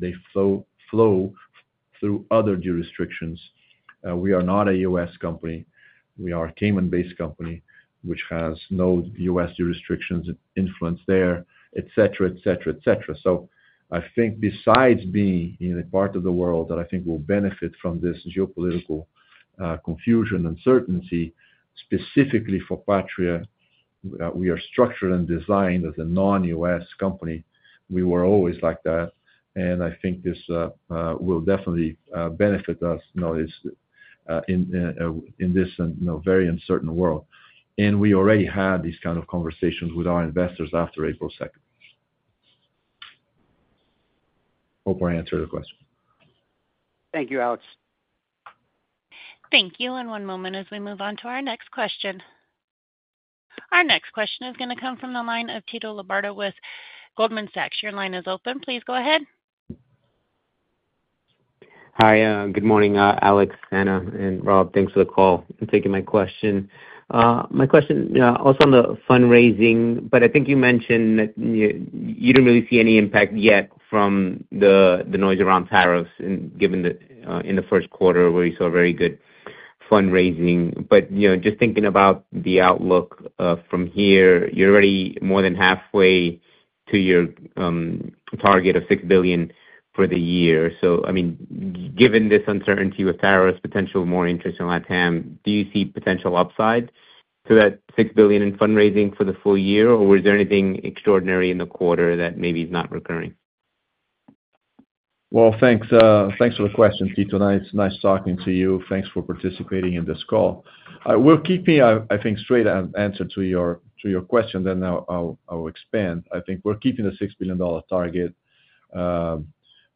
they flow through other jurisdictions. We are not a U.S. company. We are a Cayman-based company, which has no U.S. jurisdiction influence there, etc., etc., etc. I think besides being in a part of the world that I think will benefit from this geopolitical confusion and certainty, specifically for Patria, we are structured and designed as a non-U.S. company. We were always like that. I think this will definitely benefit us in this very uncertain world. We already had these kinds of conversations with our investors after April 2. Hope I answered the question. Thank you, Alex. Thank you. One moment as we move on to our next question. Our next question is going to come from the line of Tito Labarta with Goldman Sachs. Your line is open. Please go ahead. Hi, good morning, Alex, Ana, and Rob. Thanks for the call. Thanks for taking my question. My question also on the fundraising, I think you mentioned that you do not really see any impact yet from the noise around tariffs in the first quarter where you saw very good fundraising. Just thinking about the outlook from here, you are already more than halfway to your target of $6 billion for the year. I mean, given this uncertainty with tariffs, potential more interest in LATAM, do you see potential upside to that $6 billion in fundraising for the full year, or is there anything extraordinary in the quarter that maybe is not recurring? Thanks for the question, Tito. Nice talking to you. Thanks for participating in this call. We'll keep me, I think, straight answer to your question, then I'll expand. I think we're keeping the $6 billion target.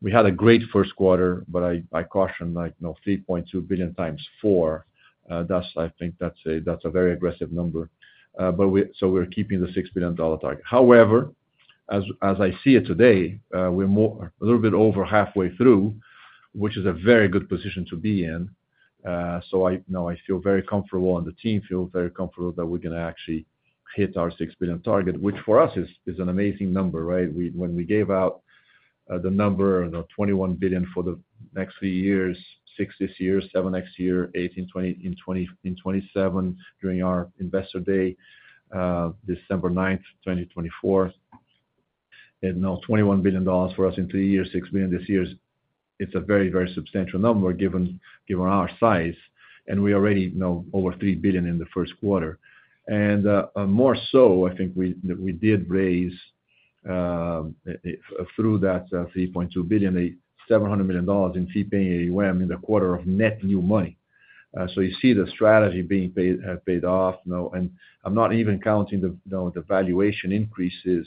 We had a great first quarter, but I cautioned $3.2 billion times four. Thus, I think that's a very aggressive number. We're keeping the $6 billion target. However, as I see it today, we're a little bit over halfway through, which is a very good position to be in. I feel very comfortable, and the team feels very comfortable that we're going to actually hit our $6 billion target, which for us is an amazing number, right? When we gave out the number, $21 billion for the next three years, $6 billion this year, $7 billion next year, $8 billion in 2027 during our investor day, December 9, 2024. Now $21 billion for us in three years, $6 billion this year. It is a very, very substantial number given our size. We already know over $3 billion in the first quarter. More so, I think we did raise through that $3.2 billion, $700 million in fee-paying AUM in the quarter of net new money. You see the strategy being paid off. I'm not even counting the valuation increases.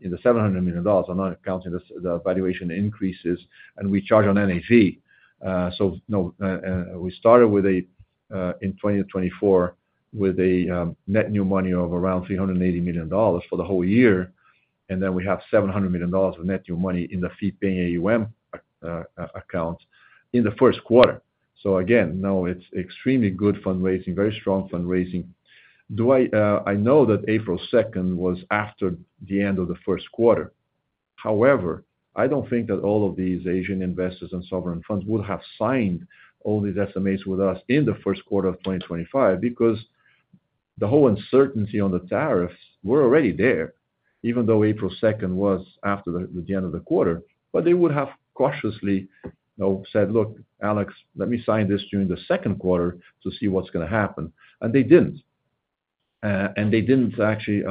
In the $700 million, I'm not counting the valuation increases. We charge on NAV. We started in 2024 with a net new money of around $380 million for the whole year. Then we have $700 million of net new money in the fee-paying AUM account in the first quarter. Again, no, it's extremely good fundraising, very strong fundraising. I know that April 2nd was after the end of the first quarter. However, I don't think that all of these Asian investors and sovereign funds would have signed all these SMAs with us in the first quarter of 2025 because the whole uncertainty on the tariffs was already there, even though April 2nd was after the end of the quarter. They would have cautiously said, "Look, Alex, let me sign this during the second quarter to see what's going to happen." They didn't. They didn't actually,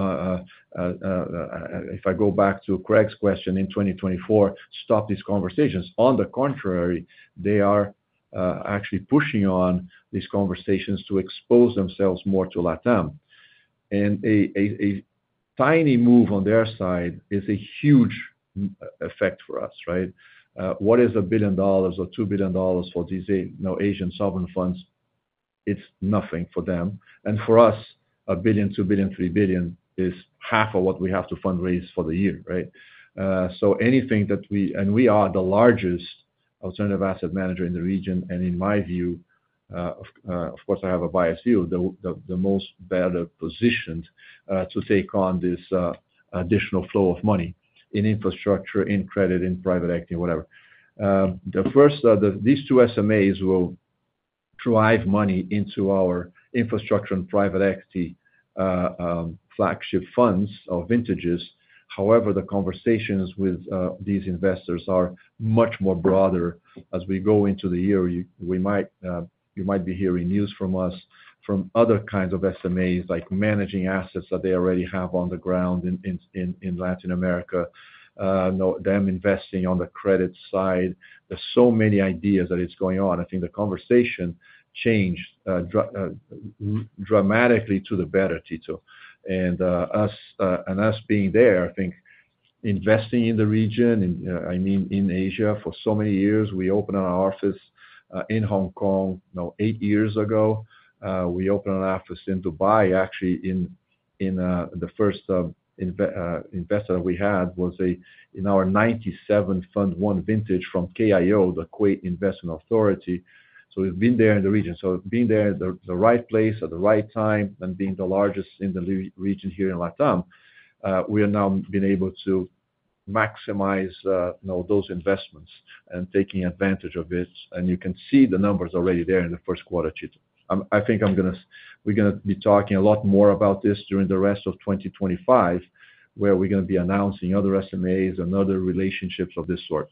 if I go back to Craig's question in 2024, stop these conversations. On the contrary, they are actually pushing on these conversations to expose themselves more to LATAM. A tiny move on their side is a huge effect for us, right? What is a billion dollars or $2 billion for these Asian sovereign funds? It's nothing for them. For us, $1 billion, $2 billion, $3 billion is half of what we have to fundraise for the year, right? Anything that we—and we are the largest alternative asset manager in the region. In my view, of course, I have a biased view, the most better positioned to take on this additional flow of money in infrastructure, in credit, in private equity, whatever. These two SMAs will drive money into our infrastructure and private equity flagship funds or vintages. However, the conversations with these investors are much more broader. As we go into the year, you might be hearing news from us from other kinds of SMAs, like managing assets that they already have on the ground in Latin America, them investing on the credit side. There are so many ideas that are going on. I think the conversation changed dramatically to the better, Tito. Us being there, I think investing in the region, I mean, in Asia for so many years. We opened our office in Hong Kong eight years ago. We opened an office in Dubai. Actually, the first investor that we had was in our 1997 Fund One vintage from KIO, the Kuwait Investment Authority. We have been there in the region. Being there at the right place at the right time and being the largest in the region here in LATAM, we have now been able to maximize those investments and take advantage of it. You can see the numbers already there in the first quarter, Tito. I think we are going to be talking a lot more about this during the rest of 2025, where we are going to be announcing other SMAs and other relationships of this sort.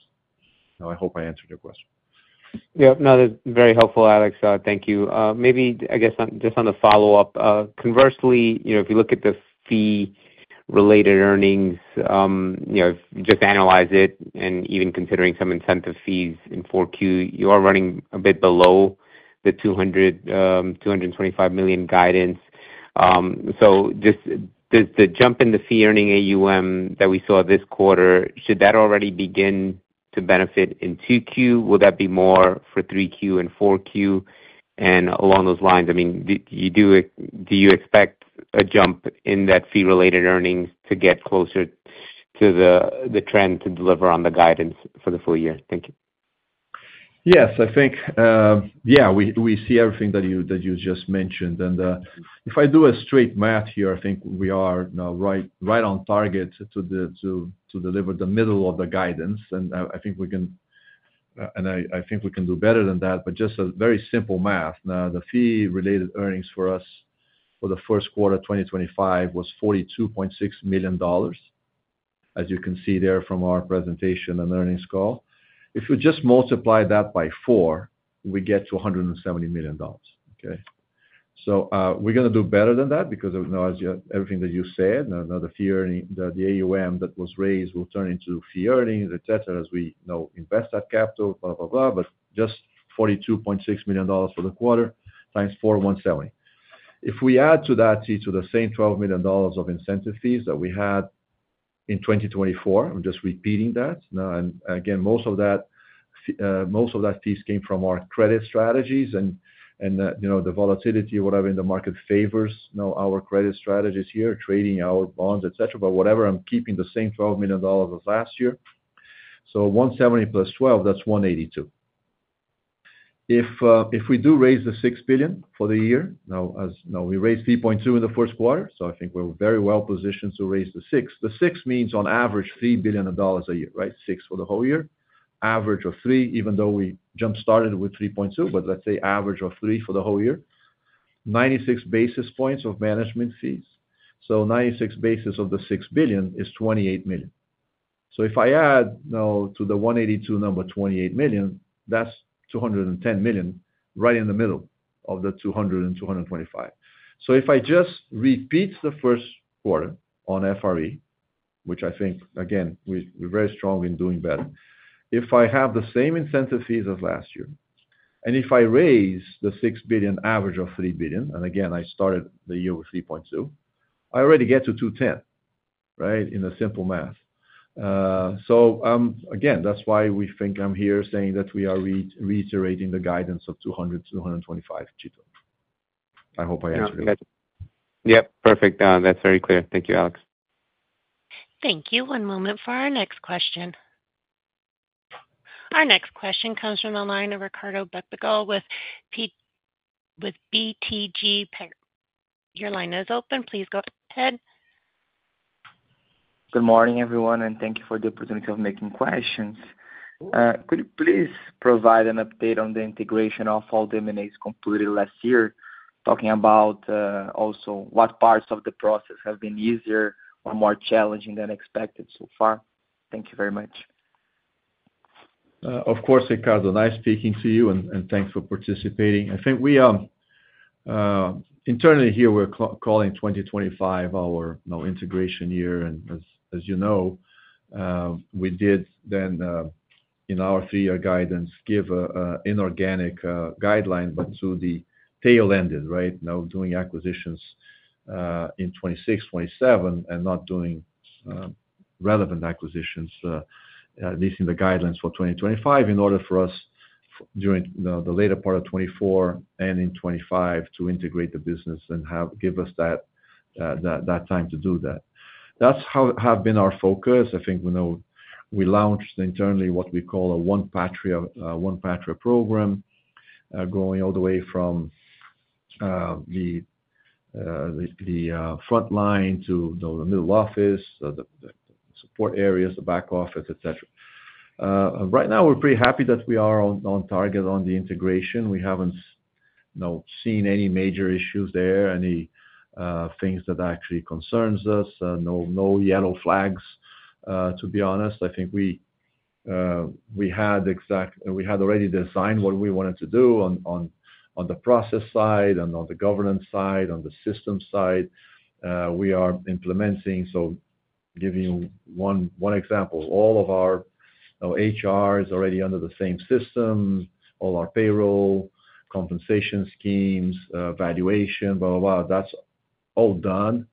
I hope I answered your question. Yep. No, that is very helpful, Alex. Thank you. Maybe, I guess, just on the follow-up, conversely, if you look at the fee-related earnings, if you just analyze it and even considering some incentive fees in Q4, you are running a bit below the $200 million-$225 million guidance. Just the jump in the fee-earning AUM that we saw this quarter, should that already begin to benefit in 2Q? Will that be more for 3Q and 4Q? Along those lines, I mean, do you expect a jump in that fee-related earnings to get closer to the trend to deliver on the guidance for the full year? Thank you. Yes. I think, yeah, we see everything that you just mentioned. If I do a straight math here, I think we are right on target to deliver the middle of the guidance. I think we can—I think we can do better than that. Just a very simple math, the fee-related earnings for us for the first quarter of 2025 was $42.6 million, as you can see there from our presentation and earnings call. If you just multiply that by four, we get to $170 million, okay? We are going to do better than that because everything that you said, the fee earning, the AUM that was raised will turn into fee earnings, etc., as we invest that capital, blah, blah, blah. Just $42.6 million for the quarter times 4.17. If we add to that, Tito, the same $12 million of incentive fees that we had in 2024, I'm just repeating that. Again, most of that fees came from our credit strategies. The volatility, whatever in the market favors our credit strategies here, trading our bonds, etc., but whatever, I'm keeping the same $12 million as last year. 170 plus 12, that's 182. If we do raise the $6 billion for the year—now, we raised $3.2 billion in the first quarter. I think we're very well positioned to raise the 6. The 6 means, on average, $3 billion a year, right? 6 for the whole year. Average of 3, even though we jump-started with 3.2, but let's say average of 3 for the whole year. 96 basis points of management fees. 96 basis points of the 6 billion is $28 million. If I add to the 182 number, $28 million, that's $210 million right in the middle of the 200 and 225. If I just repeat the first quarter on FRE, which I think, again, we're very strong in doing better. If I have the same incentive fees as last year, and if I raise the 6 billion average of 3 billion, and again, I started the year with 3.2, I already get to 210, right, in the simple math. Again, that's why we think I'm here saying that we are reiterating the guidance of 200-225, Tito. I hope I answered your question. Yep. Perfect. That's very clear. Thank you, Alex. Thank you. One moment for our next question. Our next question comes from the line of Ricardo Buchpiguel with BTG Pactual. Your line is open. Please go ahead. Good morning, everyone, and thank you for the opportunity of making questions. Could you please provide an update on the integration of all the M&As completed last year, talking about also what parts of the process have been easier or more challenging than expected so far? Thank you very much. Of course, Ricardo, nice speaking to you, and thanks for participating. I think internally here, we're calling 2025 our integration year. As you know, we did then in our three-year guidance give an inorganic guideline, but to the tail-ended, right? Now doing acquisitions in 2026, 2027, and not doing relevant acquisitions, at least in the guidelines for 2025, in order for us during the later part of 2024 and in 2025 to integrate the business and give us that time to do that. That's how has been our focus. I think we launched internally what we call a One Patria program, going all the way from the front line to the middle office, the support areas, the back office, etc. Right now, we're pretty happy that we are on target on the integration. We haven't seen any major issues there, any things that actually concern us. No yellow flags, to be honest. I think we had already designed what we wanted to do on the process side and on the governance side, on the system side. We are implementing. For example, all of our HR is already under the same system, all our payroll, compensation schemes, valuation, blah, blah, blah. That's all done.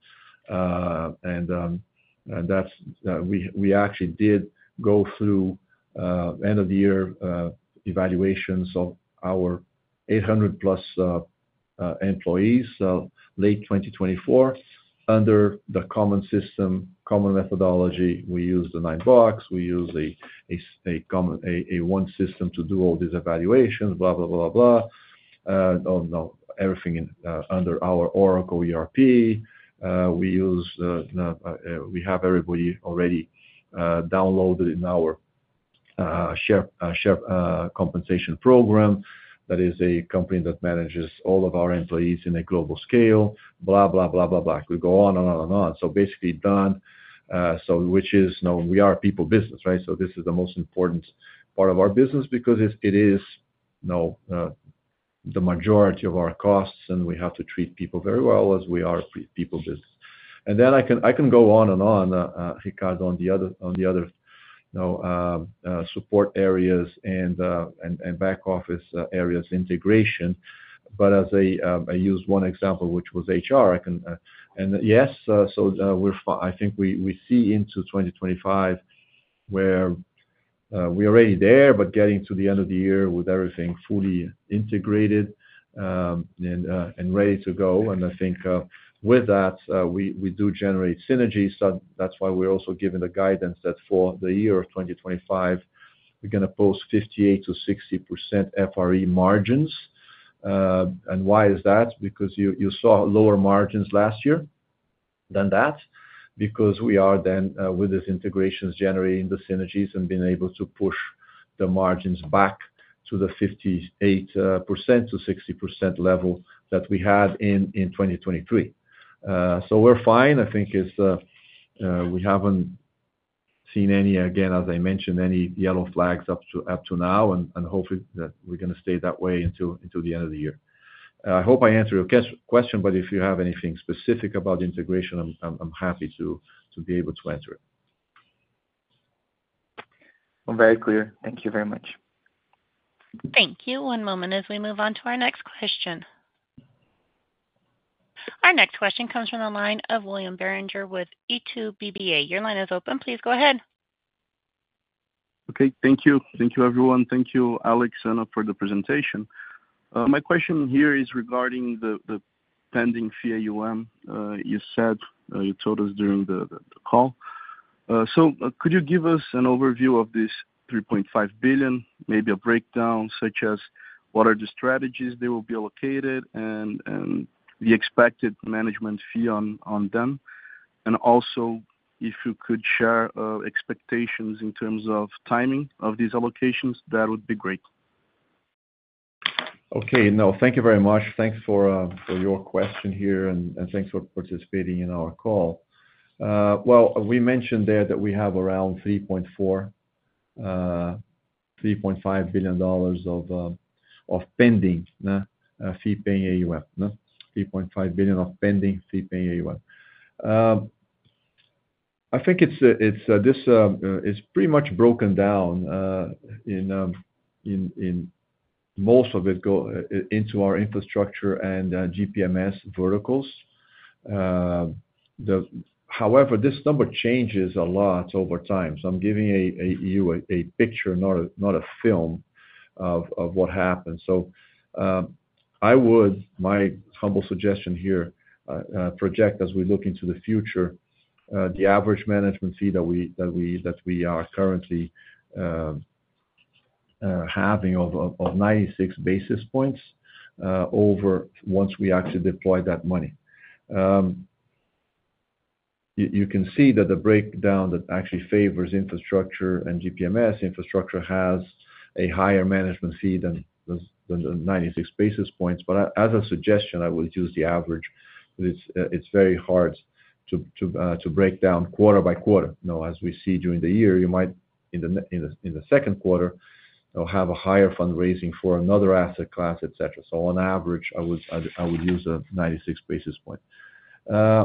We actually did go through end-of-the-year evaluations of our 800-plus employees late 2024 under the common system, common methodology. We use the nine box. We use one system to do all these evaluations, blah, blah, blah, blah, blah. Everything under our Oracle ERP. We have everybody already downloaded in our shared compensation program. That is a company that manages all of our employees on a global scale, blah, blah, blah, blah, blah. We go on and on and on. Basically done, which is we are a people business, right? This is the most important part of our business because it is the majority of our costs, and we have to treat people very well as we are a people business. I can go on and on, Ricardo, on the other support areas and back office areas integration. As I used one example, which was HR, I can—and yes, I think we see into 2025 where we're already there, but getting to the end of the year with everything fully integrated and ready to go. I think with that, we do generate synergies. That's why we're also given the guidance that for the year of 2025, we're going to post 58%-60% FRE margins. Why is that? Because you saw lower margins last year than that, because we are then with these integrations generating the synergies and being able to push the margins back to the 58%-60% level that we had in 2023. We are fine. I think we have not seen any, again, as I mentioned, any yellow flags up to now, and hopefully that we are going to stay that way until the end of the year. I hope I answered your question, but if you have anything specific about integration, I am happy to be able to answer it. I am very clear. Thank you very much. Thank you. One moment as we move on to our next question. Our next question comes from the line of William Barranjard with Itaú BBA. Your line is open. Please go ahead. Okay. Thank you. Thank you, everyone. Thank you, Alex, for the presentation. My question here is regarding the pending fee AUM you said you told us during the call. Could you give us an overview of this $3.5 billion, maybe a breakdown, such as what are the strategies they will be allocated and the expected management fee on them? Also, if you could share expectations in terms of timing of these allocations, that would be great. Okay. No, thank you very much. Thanks for your question here, and thanks for participating in our call. We mentioned there that we have around $3.4billion-$3.5 billion of pending fee-paying AUM, $3.5 billion of pending fee-paying AUM. I think this is pretty much broken down in most of it into our Infrastructure and GPMS verticals. However, this number changes a lot over time. I am giving you a picture, not a film, of what happens. I would, my humble suggestion here, project as we look into the future, the average management fee that we are currently having of 96 basis points over once we actually deploy that money. You can see that the breakdown that actually favors infrastructure and GPMS. Infrastructure has a higher management fee than the 96 basis points. As a suggestion, I would use the average. It's very hard to break down quarter by quarter. As we see during the year, you might in the second quarter have a higher fundraising for another asset class, etc. On average, I would use the 96 basis points.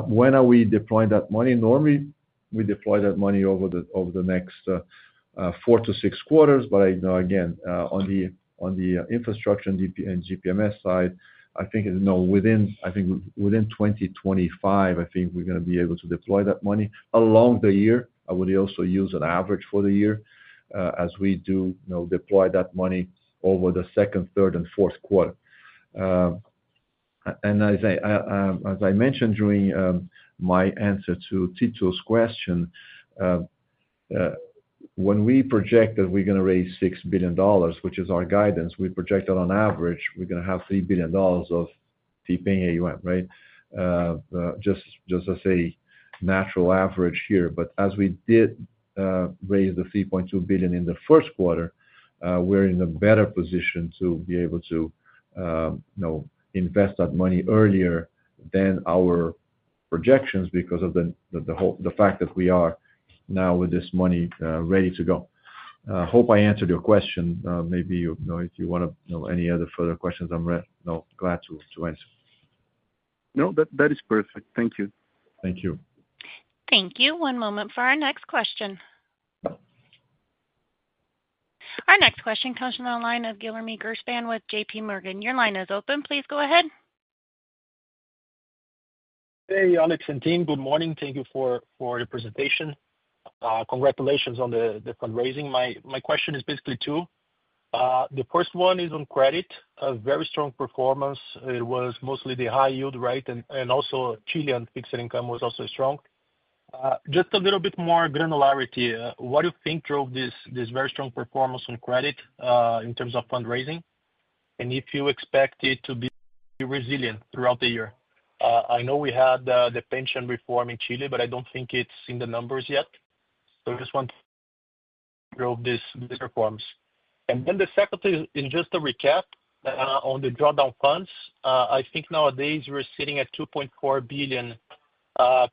When are we deploying that money? Normally, we deploy that money over the next four to six quarters. Again, on the infrastructure and GPMS side, I think within 2025, I think we're going to be able to deploy that money. Along the year, I would also use an average for the year as we do deploy that money over the second, third, and fourth quarter. As I mentioned during my answer to Tito's question, when we project that we're going to raise $6 billion, which is our guidance, we project that on average, we're going to have $3 billion of fee-paying AUM, right? Just as a natural average here. As we did raise the $3.2 billion in the first quarter, we're in a better position to be able to invest that money earlier than our projections because of the fact that we are now with this money ready to go. Hope I answered your question. Maybe if you want to know any other further questions, I'm glad to answer. No, that is perfect. Thank you. Thank you. Thank you. One moment for our next question. Our next question comes from the line of Guillerme McGirspan with JPMorgan. Your line is open. Please go ahead. Hey, Alex and team, good morning. Thank you for the presentation. Congratulations on the fundraising. My question is basically two. The first one is on credit, a very strong performance. It was mostly the high yield, right? And also Chilean fixed income was also strong. Just a little bit more granularity. What do you think drove this very strong performance on credit in terms of fundraising? If you expect it to be resilient throughout the year? I know we had the pension reform in Chile, but I do not think it is in the numbers yet. I just want to know this performance. The second is just a recap on the drawdown funds. I think nowadays we're sitting at $2.4 billion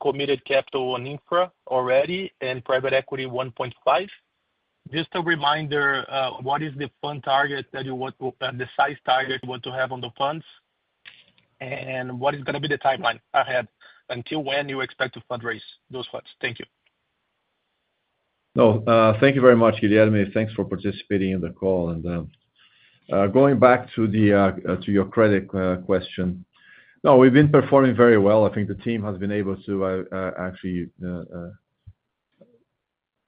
committed capital on infra already and private equity $1.5 billion. Just a reminder, what is the fund target that you want to, the size target you want to have on the funds? And what is going to be the timeline ahead? Until when you expect to fundraise those funds? Thank you. No, thank you very much, Guillerme. Thanks for participating in the call. Going back to your credit question, we've been performing very well. I think the team has been able to actually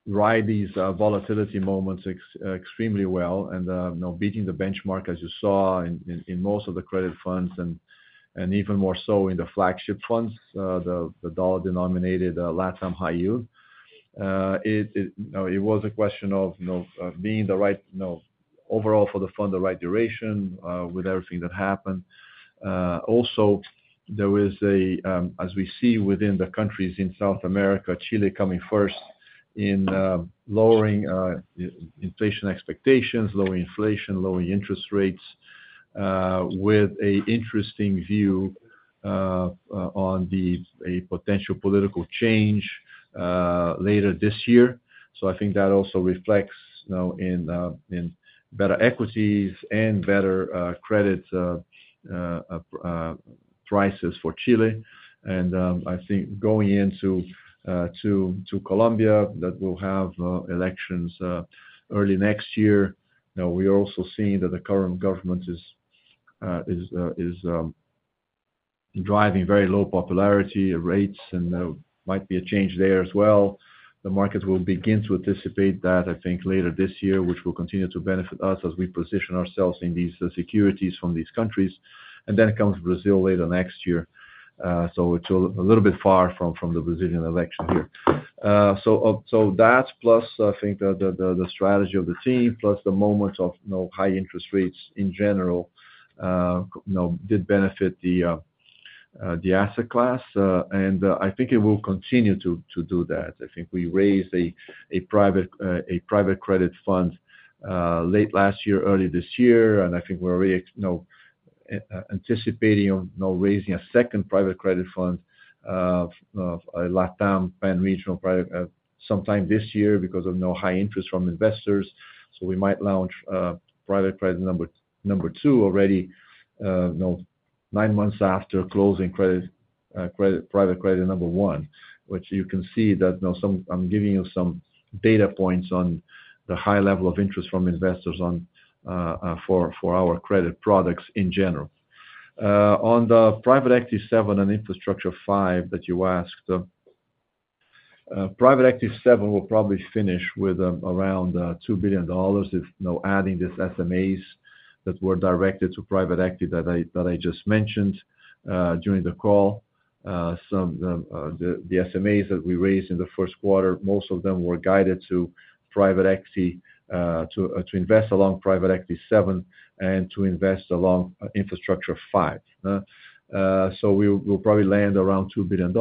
ride these volatility moments extremely well and beating the benchmark, as you saw, in most of the credit funds and even more so in the flagship funds, the dollar-denominated LATAM high yield. It was a question of being the right overall for the fund, the right duration with everything that happened. Also, there was, as we see within the countries in South America, Chile coming first in lowering inflation expectations, lowering inflation, lowering interest rates with an interesting view on the potential political change later this year. I think that also reflects in better equities and better credit prices for Chile. I think going into Colombia that will have elections early next year. We are also seeing that the current government is driving very low popularity rates, and there might be a change there as well. The market will begin to anticipate that, I think, later this year, which will continue to benefit us as we position ourselves in these securities from these countries. It comes Brazil later next year. It is a little bit far from the Brazilian election here. That, plus I think the strategy of the team, plus the moment of high interest rates in general did benefit the asset class. I think it will continue to do that. I think we raised a private credit fund late last year, early this year. I think we're already anticipating raising a second private credit fund, LATAM Pan-Regional, sometime this year because of high interest from investors. We might launch private credit number two already nine months after closing private credit number one, which you can see that I'm giving you some data points on the high level of interest from investors for our credit products in general. On the private equity seven and infrastructure five that you asked, private equity seven will probably finish with around $2 billion adding these SMAs that were directed to private equity that I just mentioned during the call. The SMAs that we raised in the first quarter, most of them were guided to private equity to invest along Private Equity VII and to invest along Infrastructure V. We will probably land around $2 billion.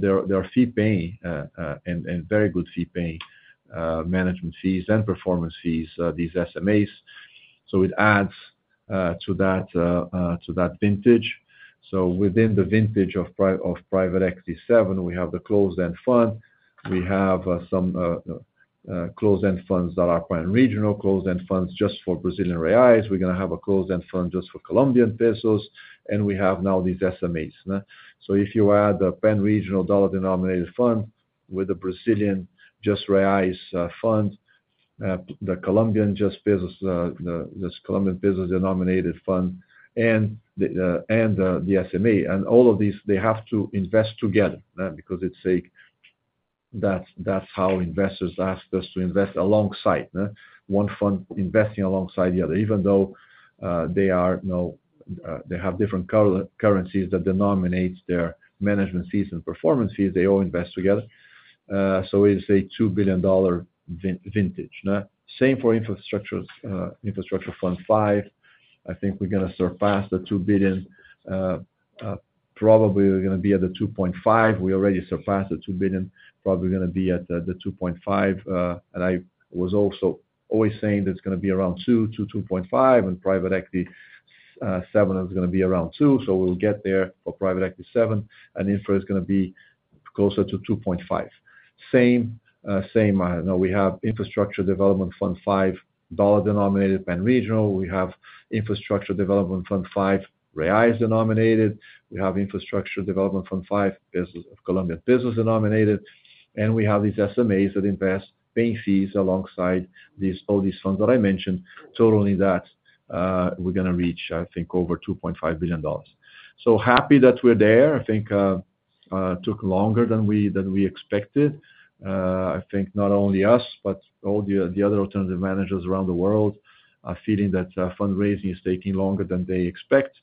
They are fee-paying and very good fee-paying management fees and performance fees, these SMAs. It adds to that vintage. Within the vintage of Private Equity VII, we have the closed-end fund. We have some closed-end funds that are pan-regional, closed-end funds just for Brazilian REIs. We are going to have a closed-end fund just for Colombian pesos. We have now these SMAs. If you add the pan-regional dollar-denominated fund with the Brazilian just REIs fund, the Colombian just pesos denominated fund, and the SMA. All of these, they have to invest together because that's how investors asked us to invest alongside, one fund investing alongside the other, even though they have different currencies that denominate their management fees and performance fees. They all invest together. It is a $2 billion vintage. Same for infrastructure fund five. I think we're going to surpass the $2 billion. Probably we're going to be at the $2.5 billion. We already surpassed the $2 billion. Probably we're going to be at the $2.5 billion. I was also always saying that it's going to be around $2 billion-$2.5 billion, and private equity seven is going to be around $2 billion. We will get there for private equity seven. Infra is going to be closer to $2.5 billion. Same now, we have Infrastructure Development Fund V, dollar-denominated Pan-Regional. We have Infrastructure Development Fund V, reais denominated. We have Infrastructure Development Fund V, Colombian pesos denominated. And we have these SMAs that invest paying fees alongside all these funds that I mentioned. Totally, that we're going to reach, I think, over $2.5 billion. Happy that we're there. I think it took longer than we expected. I think not only us, but all the other alternative managers around the world are feeling that fundraising is taking longer than they expect.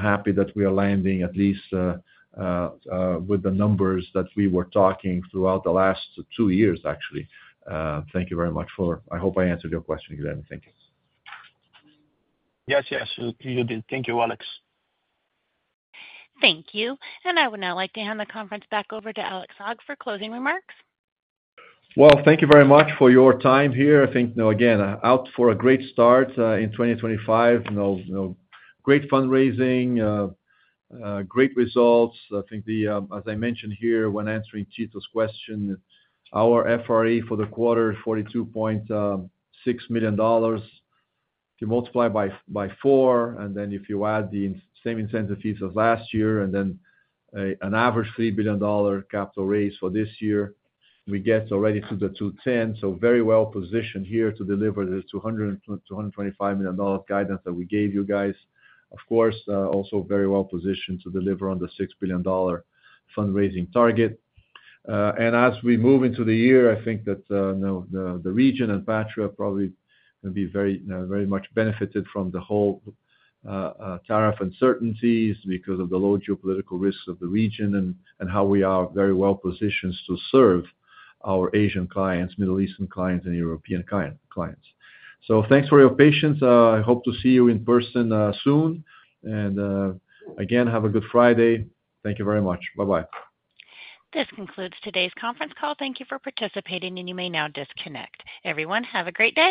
Happy that we are landing at least with the numbers that we were talking throughout the last two years, actually. Thank you very much for I hope I answered your question, Guilherme. Thank you. Yes, yes. You did. Thank you, Alex. Thank you. I would now like to hand the conference back over to Alex Saigh for closing remarks. Thank you very much for your time here. I think, again, out for a great start in 2025. Great fundraising, great results. I think, as I mentioned here, when answering Tito's question, our FRE for the quarter, $42.6 million, if you multiply by four, and then if you add the same incentive fees as last year, and then an average $3 billion capital raise for this year, we get already to the 210. Very well positioned here to deliver the $225 million guidance that we gave you guys. Of course, also very well positioned to deliver on the $6 billion fundraising target. As we move into the year, I think that the region and Patria are probably going to be very much benefited from the whole tariff uncertainties because of the low geopolitical risks of the region and how we are very well positioned to serve our Asian clients, Middle Eastern clients, and European clients. Thanks for your patience. I hope to see you in person soon. Again, have a good Friday. Thank you very much. Bye-bye. This concludes today's conference call. Thank you for participating, and you may now disconnect. Everyone, have a great day.